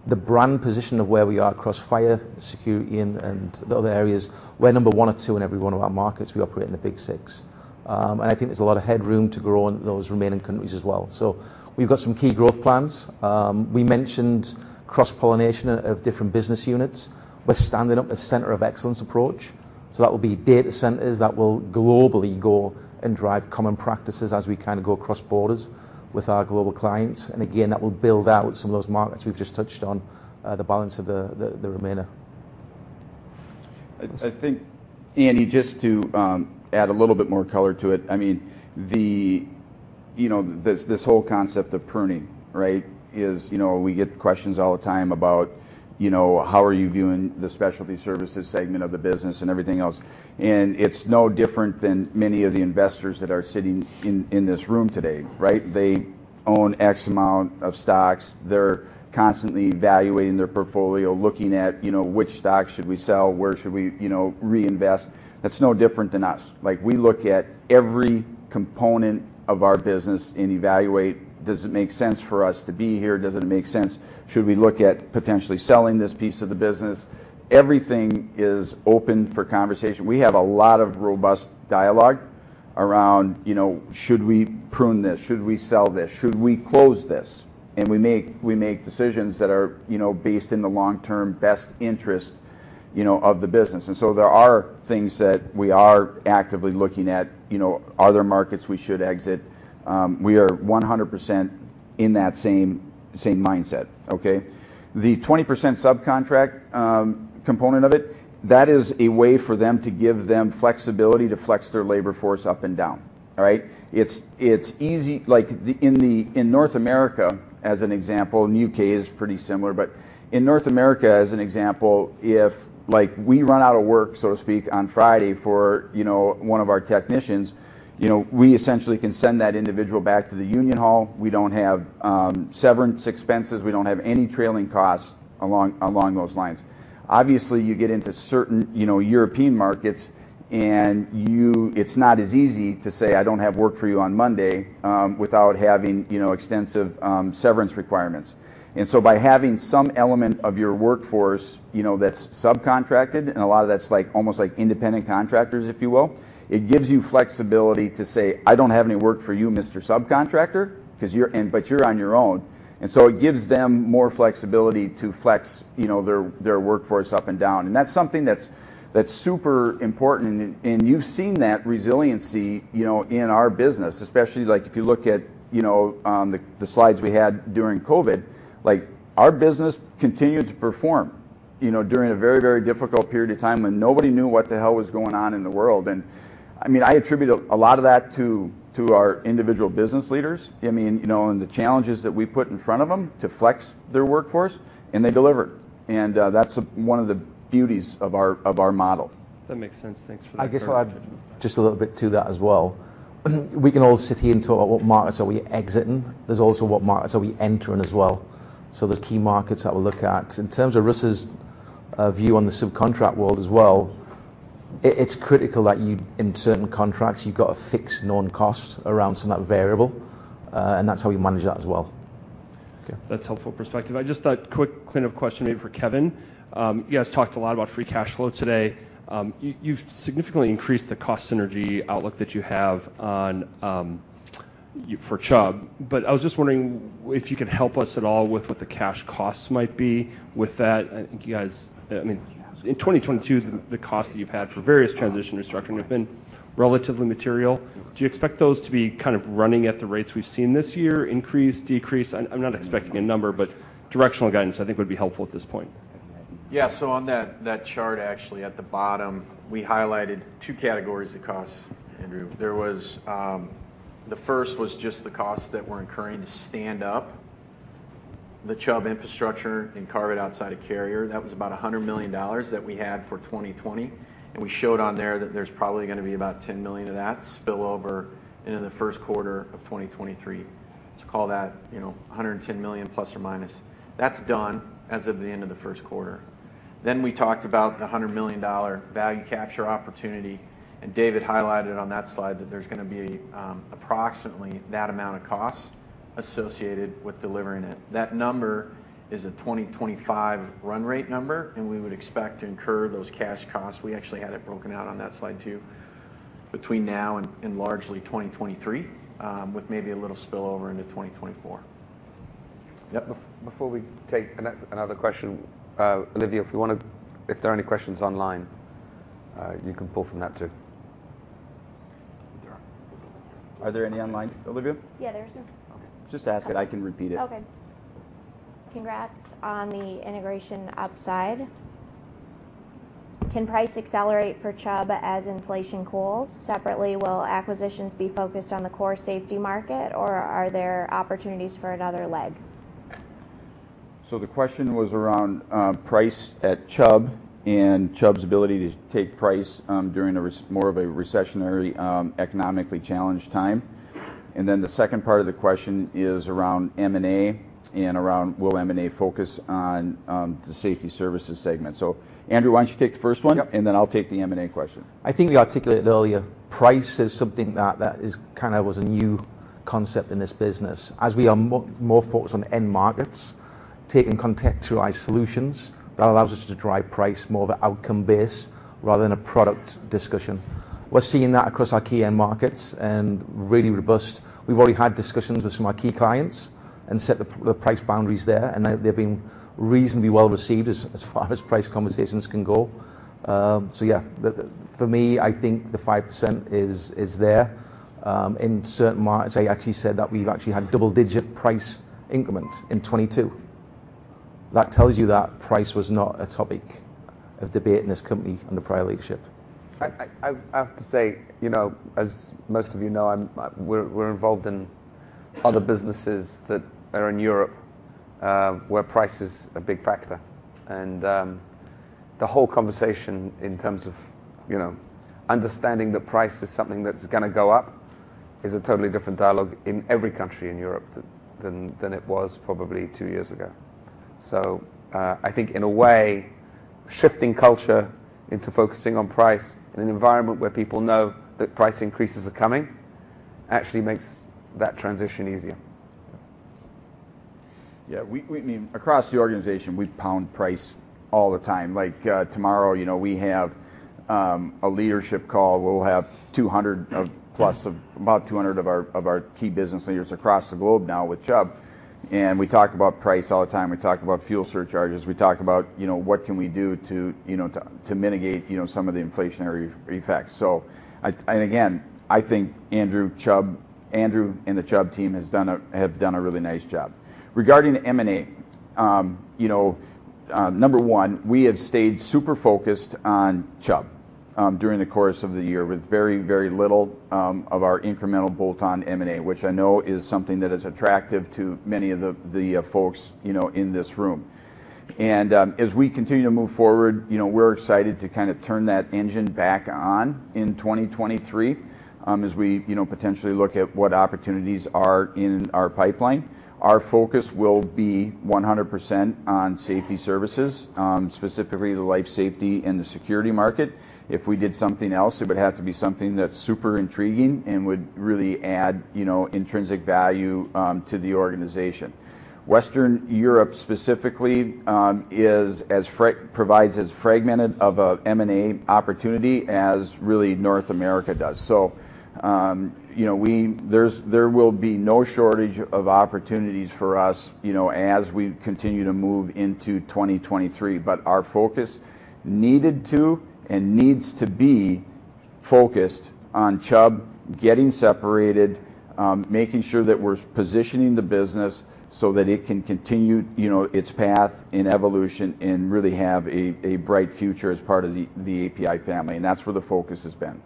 the brand position of where we are across fire, security and the other areas, we're number one or two in every one of our markets. We operate in the Big Six. I think there's a lot of headroom to grow in those remaining countries as well. We've got some key growth plans. We mentioned cross-pollination of different business units. We're standing up a center of excellence approach, so that will be data centers that will globally go and drive common practices as we kind of go across borders with our global clients. Again, that will build out some of those markets we've just touched on, the balance of the remainder. I think, Andy, just to add a little bit more color to it. I mean, you know, this whole concept of pruning, right? You know, we get questions all the time about, you know, how are you viewing the specialty services segment of the business and everything else. It's no different than many of the investors that are sitting in this room today, right? They own X amount of stocks. They're constantly evaluating their portfolio, looking at, you know, which stocks should we sell? Where should we, you know, reinvest? That's no different than us. Like, we look at every component of our business and evaluate, does it make sense for us to be here? Does it make sense? Should we look at potentially selling this piece of the business? Everything is open for conversation. We have a lot of robust dialogue around, you know, should we prune this? Should we sell this? Should we close this? We make decisions that are, you know, based in the long-term best interest, you know, of the business. There are things that we are actively looking at, you know, are there markets we should exit? We are 100% in that same mindset, okay? The 20% subcontract component of it, that is a way for them to give them flexibility to flex their labor force up and down. All right? It's easy, like, in North America, as an example, and U.K. is pretty similar. In North America, as an example, if, like, we run out of work, so to speak, on Friday for, you know, one of our technicians, you know, we essentially can send that individual back to the union hall. We don't have severance expenses. We don't have any trailing costs along those lines. Obviously, you get into certain, you know, European markets, and it's not as easy to say, "I don't have work for you on Monday," without having, you know, extensive severance requirements. By having some element of your workforce, you know, that's subcontracted, and a lot of that's like, almost like independent contractors, if you will, it gives you flexibility to say, "I don't have any work for you. Subcontractor, 'cause you're on your own. It gives them more flexibility to flex, you know, their workforce up and down, and that's something that's super important. You've seen that resiliency, you know, in our business, especially, like, if you look at, you know, the slides we had during COVID. Like, our business continued to perform. You know, during a very difficult period of time when nobody knew what the hell was going on in the world. I mean, I attribute a lot of that to our individual business leaders, I mean, you know, and the challenges that we put in front of them to flex their workforce, and they delivered. That's one of the beauties of our model. That makes sense. Thanks for that clarification. I guess I'll add just a little bit to that as well. We can all sit here and talk about what markets are we exiting. There's also what markets are we entering as well. In terms of Russ's view on the subcontract world as well, it's critical that in certain contracts you've got a fixed known cost around some of that variable, and that's how we manage that as well. Okay. That's a helpful perspective. I just a quick cleanup question maybe for Kevin. You guys talked a lot about free cash flow today. You've significantly increased the cost synergy outlook that you have on for Chubb. I was just wondering if you could help us at all with what the cash costs might be with that. I mean, in 2022 the costs that you've had for various transition restructuring have been relatively material. Do you expect those to be kind of running at the rates we've seen this year, increase, decrease? I'm not expecting a number, but directional guidance I think would be helpful at this point. Yeah. On that chart, actually, at the bottom we highlighted two categories of costs, Andrew. The first was just the costs that we're incurring to stand up the Chubb infrastructure and carve it outside of Carrier. That was about $100 million that we had for 2020, and we showed on there that there's probably gonna be about $10 million of that spill over into the first quarter of 2023. Call that, you know, $110 million ±. That's done as of the end of the first quarter. We talked about the $100 million value capture opportunity, and David highlighted on that slide that there's gonna be approximately that amount of costs associated with delivering it. That number is a 2025 run rate number. We would expect to incur those cash costs, we actually had it broken out on that slide too, between now and largely 2023, with maybe a little spillover into 2024. Yep. Before we take another question, Olivia, if there are any questions online, you can pull from that too. Are there any online, Olivia? Yeah, there's some. Okay. Just ask it. I can repeat it. Okay. Congrats on the integration upside. Can price accelerate for Chubb as inflation cools? Separately, will acquisitions be focused on the core safety market, or are there opportunities for another leg? The question was around price at Chubb and Chubb's ability to take price during more of a recessionary, economically challenged time. The second part of the question is around M&A and around will M&A focus on the safety services segment. Andrew, why don't you take the first one? Yep. I'll take the M&A question. I think we articulated earlier, price is something that was kind of a new concept in this business. As we are more focused on end markets, taking contextualized solutions, that allows us to drive price more of an outcome-based rather than a product discussion. We're seeing that across our key end markets and really robust. We've already had discussions with some of our key clients and set the price boundaries there, and they've been reasonably well received as far as price conversations can go. Yeah. For me, I think the 5% is there. In certain markets, I actually said that we've actually had double-digit price increments in 2022. That tells you that price was not a topic of debate in this company under prior leadership. I have to say, you know, as most of you know, we're involved in other businesses that are in Europe where price is a big factor. The whole conversation in terms of, you know, understanding that price is something that's gonna go up is a totally different dialogue in every country in Europe than it was probably two years ago. I think in a way, shifting culture into focusing on price in an environment where people know that price increases are coming actually makes that transition easier. Yeah. We, I mean, across the organization, we pound price all the time. Like tomorrow, you know, we have a leadership call. We'll have about 200 of our key business leaders across the globe now with Chubb, and we talk about price all the time. We talk about fuel surcharges. We talk about, you know, what can we do to, you know, to mitigate, you know, some of the inflationary effects. Again, I think Andrew and the Chubb team have done a really nice job. Regarding M&A, you know, number one, we have stayed super focused on Chubb during the course of the year with very, very little of our incremental bolt-on M&A, which I know is something that is attractive to many of the folks, you know, in this room. As we continue to move forward, you know, we're excited to kind of turn that engine back on in 2023, as we, you know, potentially look at what opportunities are in our pipeline. Our focus will be 100% on safety services, specifically the life safety and the security market. If we did something else, it would have to be something that's super intriguing and would really add, you know, intrinsic value to the organization. Western Europe specifically provides as fragmented of a M&A opportunity as really North America does. You know, there will be no shortage of opportunities for us, you know, as we continue to move into 2023, but our focus needed to and needs to be. Focused on Chubb getting separated, making sure that we're positioning the business so that it can continue, you know, its path in evolution and really have a bright future as part of the APi family, and that's where the focus has been.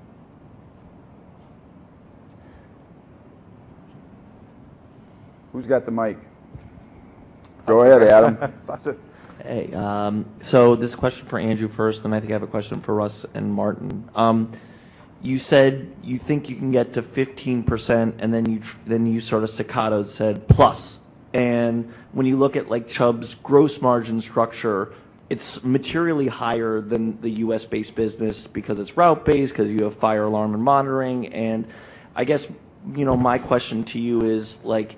Who's got the mic? Go ahead, Adam. That's it. Hey. This question is for Andrew White first, then I think I have a question for Russ Becker and Martin Franklin. You said you think you can get to 15%, and then you sort of staccato said, "Plus." When you look at, like, Chubb's gross margin structure, it's materially higher than the U.S.-based business because it's route-based, 'cause you have fire alarm and monitoring. I guess, you know, my question to you is, like,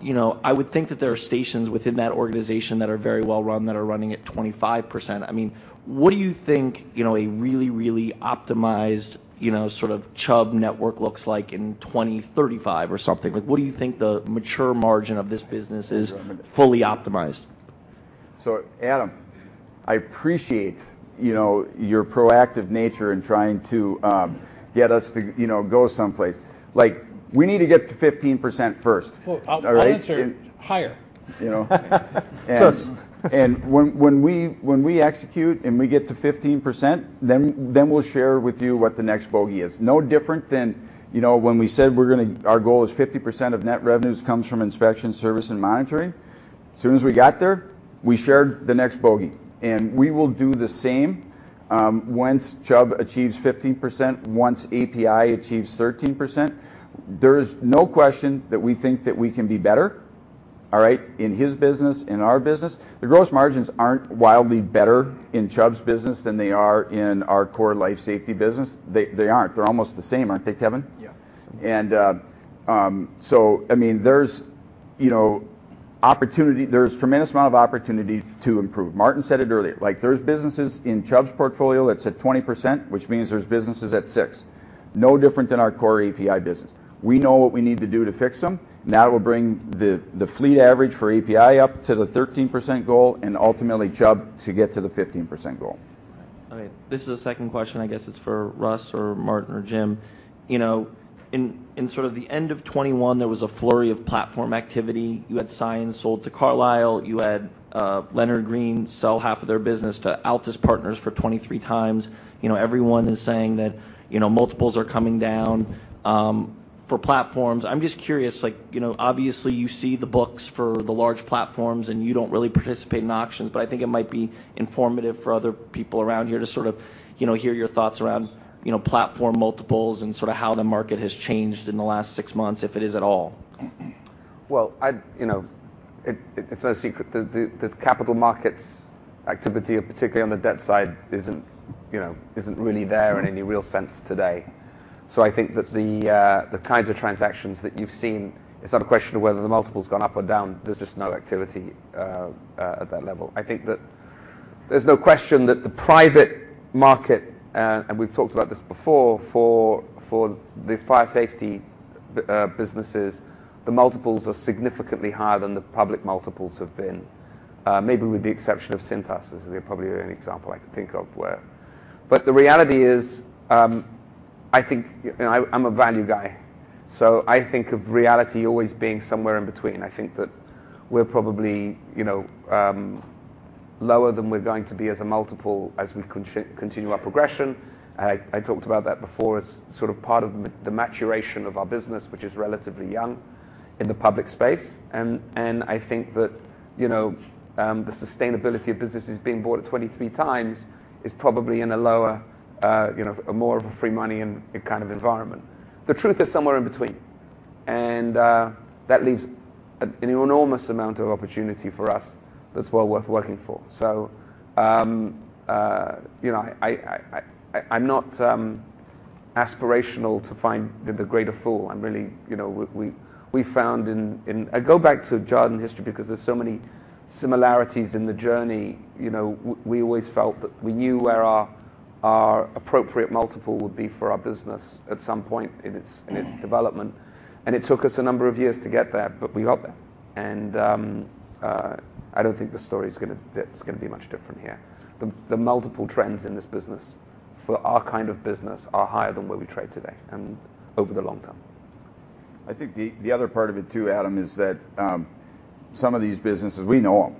you know, I would think that there are stations within that organization that are very well-run, that are running at 25%. I mean, what do you think, you know, a really, really optimized, you know, sort of Chubb network looks like in 2035 or something? Like, what do you think the mature margin of this business is fully optimized? Adam, I appreciate, you know, your proactive nature in trying to get us to, you know, go someplace. Like, we need to get to 15% first. Well, I'll answer it higher. All right? You know? Plus. When we execute and we get to 15%, then we'll share with you what the next bogey is. No different than, you know, when we said our goal is 50% of net revenues comes from inspection, service, and monitoring. As soon as we got there, we shared the next bogey. We will do the same once Chubb achieves 15%, once APi achieves 13%. There's no question that we think that we can be better, all right? In his business, in our business. The gross margins aren't wildly better in Chubb's business than they are in our core life safety business. They aren't. They're almost the same, aren't they, Kevin? Yeah. I mean, there's, you know, opportunity. There's tremendous amount of opportunity to improve. Martin said it earlier. Like, there's businesses in Chubb's portfolio that's at 20%, which means there's businesses at 6%. No different than our core APi business. We know what we need to do to fix them. That will bring the fleet average for APi up to the 13% goal and ultimately Chubb to get to the 15% goal. All right. This is the second question. I guess it's for Russ or Martin or Jim. You know, in sort of the end of 2021, there was a flurry of platform activity. You had Sciens sold to Carlyle. You had Leonard Green sell half of their business to Altas Partners for 23x. You know, everyone is saying that, you know, multiples are coming down for platforms. I'm just curious, like, you know, obviously, you see the books for the large platforms, and you don't really participate in auctions. I think it might be informative for other people around here to sort of, you know, hear your thoughts around, you know, platform multiples and sort of how the market has changed in the last six months, if it is at all. Well, you know, it's no secret the capital markets activity, particularly on the debt side, you know, isn't really there in any real sense today. I think that the kinds of transactions that you've seen, it's not a question of whether the multiple's gone up or down. There's just no activity at that level. I think that there's no question that the private market, and we've talked about this before, for the fire safety businesses, the multiples are significantly higher than the public multiples have been, maybe with the exception of Cintas. They're probably the only example I can think of where. The reality is, I think, you know, I'm a value guy, so I think of reality always being somewhere in between. I think that we're probably, you know, lower than we're going to be as a multiple as we continue our progression. I talked about that before as sort of part of the maturation of our business, which is relatively young in the public space. I think that, you know, the sustainability of businesses being bought at 23x is probably in a lower, you know, more of a free money and kind of environment. The truth is somewhere in between, and that leaves an enormous amount of opportunity for us that's well worth working for. You know, I'm not aspirational to find the greater fool. I go back to Jarden history because there's so many similarities in the journey. You know, we always felt that we knew where our appropriate multiple would be for our business at some point in its development. It took us a number of years to get there, but we got there. I don't think the story's gonna be much different here. The multiple trends in this business, for our kind of business, are higher than where we trade today and over the long term. I think the other part of it too, Adam, is that some of these businesses, we know them.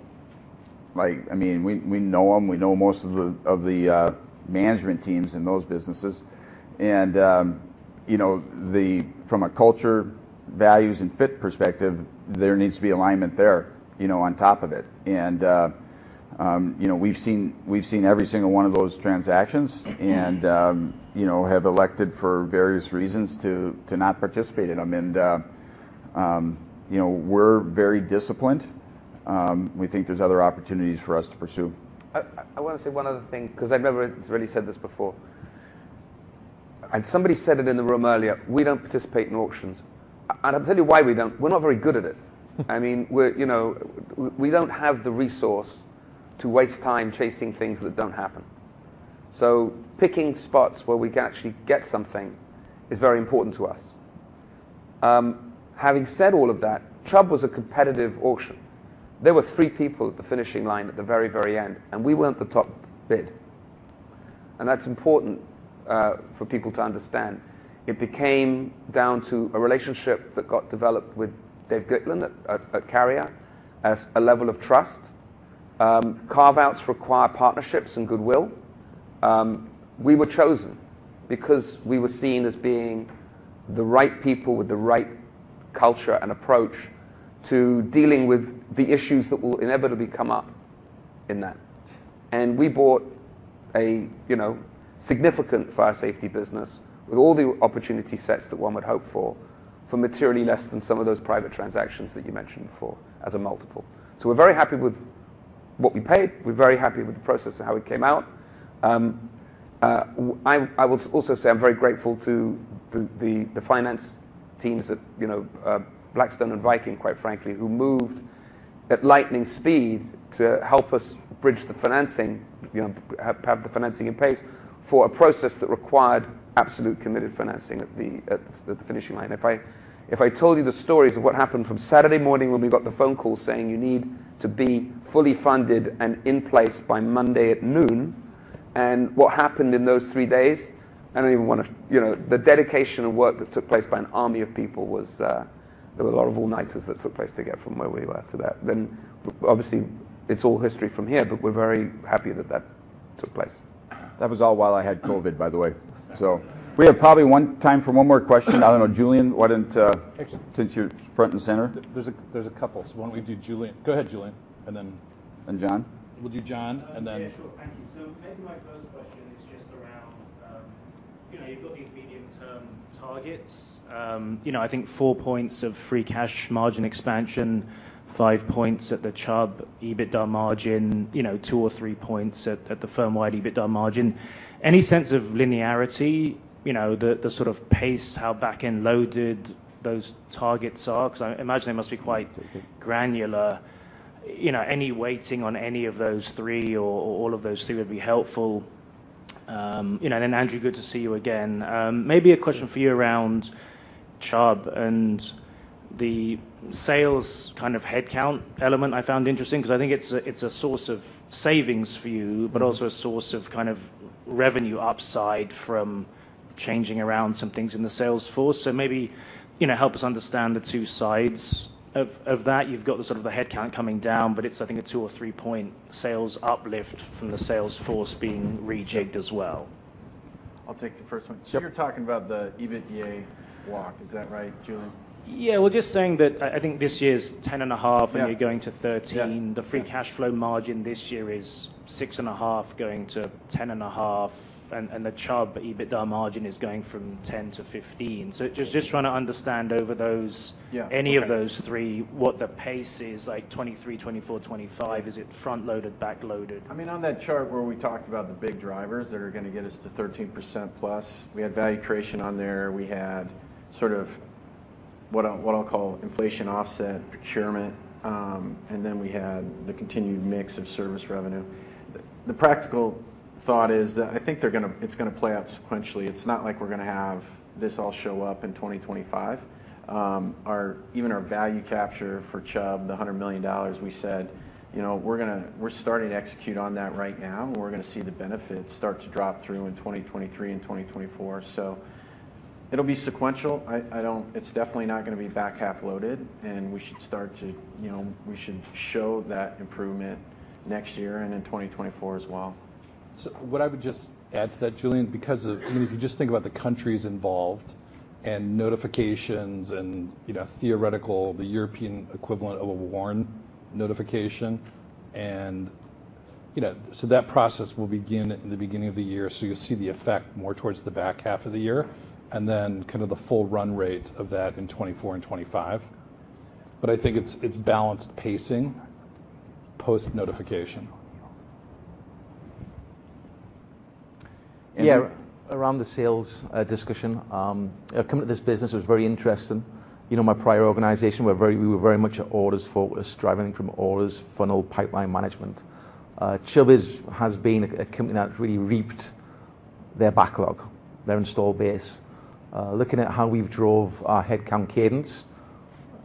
Like, I mean, we know them. We know most of the management teams in those businesses. You know, from a culture, values, and fit perspective, there needs to be alignment there, you know, on top of it. You know, we've seen every single one of those transactions and, you know, have elected for various reasons to not participate in them. You know, we're very disciplined. We think there's other opportunities for us to pursue. I wanna say one other thing 'cause I've never really said this before. Somebody said it in the room earlier. We don't participate in auctions. I'll tell you why we don't. We're not very good at it. I mean, you know. We don't have the resource to waste time chasing things that don't happen. Picking spots where we can actually get something is very important to us. Having said all of that, Chubb was a competitive auction. There were three people at the finishing line at the very, very end, and we weren't the top bid. That's important for people to understand. It became down to a relationship that got developed with Dave Gitlin at Carrier as a level of trust. Carve-outs require partnerships and goodwill. We were chosen because we were seen as being the right people with the right culture and approach to dealing with the issues that will inevitably come up in that. We bought a, you know, significant fire safety business with all the opportunity sets that one would hope for materially less than some of those private transactions that you mentioned before as a multiple. We're very happy with what we paid. We're very happy with the process of how it came out. I will also say I'm very grateful to the finance teams at, you know, Blackstone and Viking, quite frankly, who moved at lightning speed to help us bridge the financing, you know, have the financing in place for a process that required absolute committed financing at the finishing line. If I told you the stories of what happened from Saturday morning when we got the phone call saying, "You need to be fully funded and in place by Monday at noon," and what happened in those three days, I don't even wanna. You know, the dedication and work that took place by an army of people was, there were a lot of all-nighters that took place to get from where we were to that. Obviously, it's all history from here, but we're very happy that that took place. That was all while I had COVID, by the way. We have probably time for one more question. I don't know, Julian. Actually- Since you're front and center. There's a couple. Why don't we do Julian? Go ahead, Julian. John. We'll do John and then- Yeah, sure. Thank you. Maybe my first question is just around, you know, you've got these medium-term targets. You know, I think four points of free cash margin expansion, five points at the Chubb EBITDA margin, you know, two or three points at the firm-wide EBITDA margin. Any sense of linearity, you know, the sort of pace, how back-end loaded those targets are? 'Cause I imagine they must be quite granular. You know, any weighting on any of those three or all of those three would be helpful. You know, Andrew, good to see you again. Maybe a question for you around Chubb and the sales kind of headcount element I found interesting 'cause I think it's a source of savings for you, but also a source of kind of revenue upside from changing around some things in the sales force. Maybe, you know, help us understand the two sides of that. You've got the sort of the headcount coming down, but it's I think a two- or three-point sales uplift from the sales force being rejigged as well. I'll take the first one. Sure. You're talking about the EBITDA walk. Is that right, Julian? Yeah. Well, just saying that I think this year's 10.5. Yeah You're going to 13. Yeah. The free cash flow margin this year is 6.5% going to 10.5%, and the Chubb EBITDA margin is going from 10%-15%. Just trying to understand over those. Yeah. Okay. Any of those three, what the pace is, like, 2023, 2024, 2025? Is it front-loaded, back-loaded? I mean, on that chart where we talked about the big drivers that are gonna get us to 13%+, we had value creation on there, we had sort of what I'll call inflation offset procurement, and then we had the continued mix of service revenue. The practical thought is that I think it's gonna play out sequentially. It's not like we're gonna have this all show up in 2025. Even our value capture for Chubb, the $100 million we said, you know, we're starting to execute on that right now, and we're gonna see the benefits start to drop through in 2023 and 2024. It'll be sequential. It's definitely not gonna be back half loaded, and, you know, we should show that improvement next year and in 2024 as well. What I would just add to that, Julian, because of, I mean, if you just think about the countries involved and notifications and, you know, theoretical, the European equivalent of a WARN notification and, you know. That process will begin at the beginning of the year, so you'll see the effect more towards the back half of the year and then kind of the full run rate of that in 2024 and 2025. I think it's balanced pacing post notification. Yeah. Around the sales discussion, coming to this business was very interesting. You know, my prior organization, we were very much orders focused, driving from orders, funnel, pipeline management. Chubb has been a company that's really reaped their backlog, their install base. Looking at how we've drove our headcount cadence,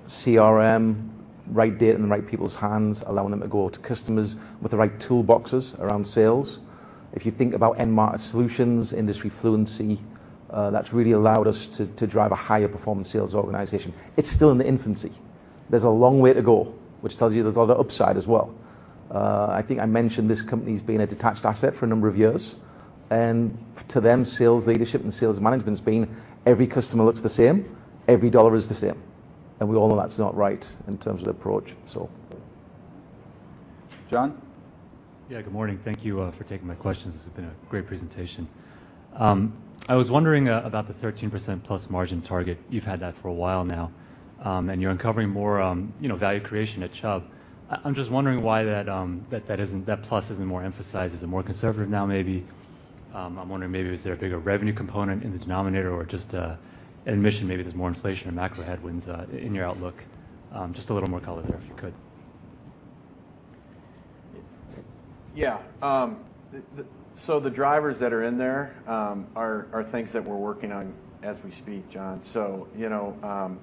CRM, right data in the right people's hands, allowing them to go to customers with the right toolboxes around sales. If you think about end market solutions, industry fluency, that's really allowed us to drive a higher performance sales organization. It's still in the infancy. There's a long way to go, which tells you there's a lot of upside as well. I think I mentioned this company's been a detached asset for a number of years. To them, sales leadership and sales management's been every customer looks the same, every dollar is the same, and we all know that's not right in terms of approach. John? Yeah. Good morning. Thank you for taking my questions. This has been a great presentation. I was wondering about the 13%+ margin target. You've had that for a while now, and you're uncovering more, you know, value creation at Chubb. I'm just wondering why that plus isn't more emphasized. Is it more conservative now maybe? I'm wondering maybe is there a bigger revenue component in the denominator or just an admission maybe there's more inflation and macro headwinds in your outlook? Just a little more color there if you could. Yeah. The drivers that are in there are things that we're working on as we speak, John. You know,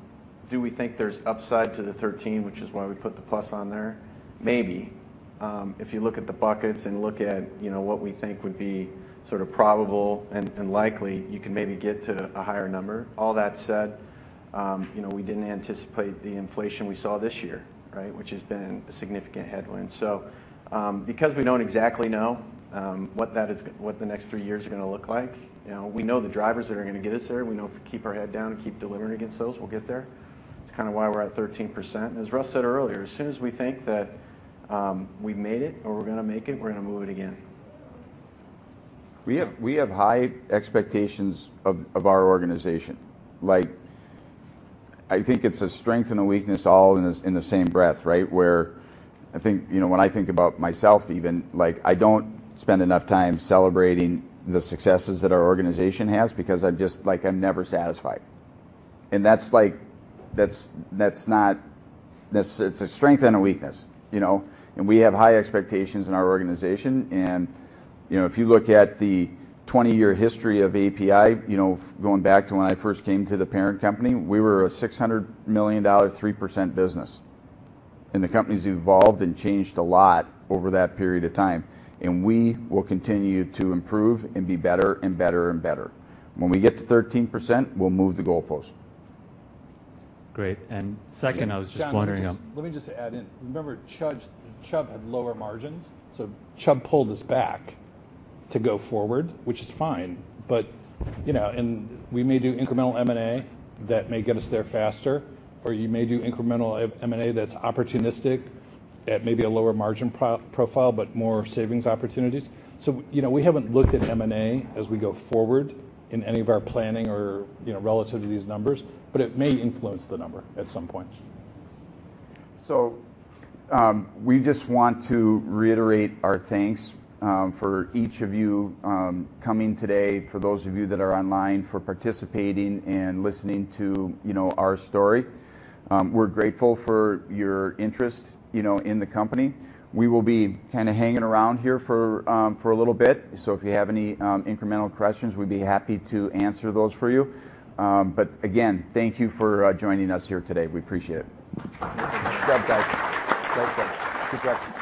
do we think there's upside to the 13+, which is why we put the plus on there? Maybe. If you look at the buckets and look at, you know, what we think would be sort of probable and likely, you can maybe get to a higher number. All that said, you know, we didn't anticipate the inflation we saw this year, right? Which has been a significant headwind. Because we don't exactly know what the next three years are gonna look like, you know, we know the drivers that are gonna get us there. We know if we keep our head down and keep delivering against those, we'll get there. It's kinda why we're at 13%. As Russ said earlier, as soon as we think that we made it or we're gonna make it, we're gonna move it again. We have high expectations of our organization. Like, I think it's a strength and a weakness all in the same breath, right? You know, when I think about myself even, like I don't spend enough time celebrating the successes that our organization has because, like, I'm never satisfied. It's a strength and a weakness, you know. We have high expectations in our organization and, you know, if you look at the 20-year history of APi, you know, going back to when I first came to the parent company, we were a $600 million, 3% business. The company's evolved and changed a lot over that period of time, and we will continue to improve and be better and better and better. When we get to 13%, we'll move the goalpost. Great. Second, I was just wondering. John, let me just add in. Remember Chubb had lower margins, so Chubb pulled us back to go forward, which is fine. You know, we may do incremental M&A that may get us there faster, or you may do incremental M&A that's opportunistic at maybe a lower margin profile, but more savings opportunities. You know, we haven't looked at M&A as we go forward in any of our planning or, you know, relative to these numbers, but it may influence the number at some point. So, um, we just want to reiterate our thanks, um, for each of you, um, coming today, for those of you that are online, for participating and listening to, you know, our story. Um, we're grateful for your interest, you know, in the company. We will be kinda hanging around here for, um, for a little bit, so if you have any, um, incremental questions, we'd be happy to answer those for you. Um, but again, thank you for, uh, joining us here today. We appreciate it. Good job, guys. Great job. Keep practicing.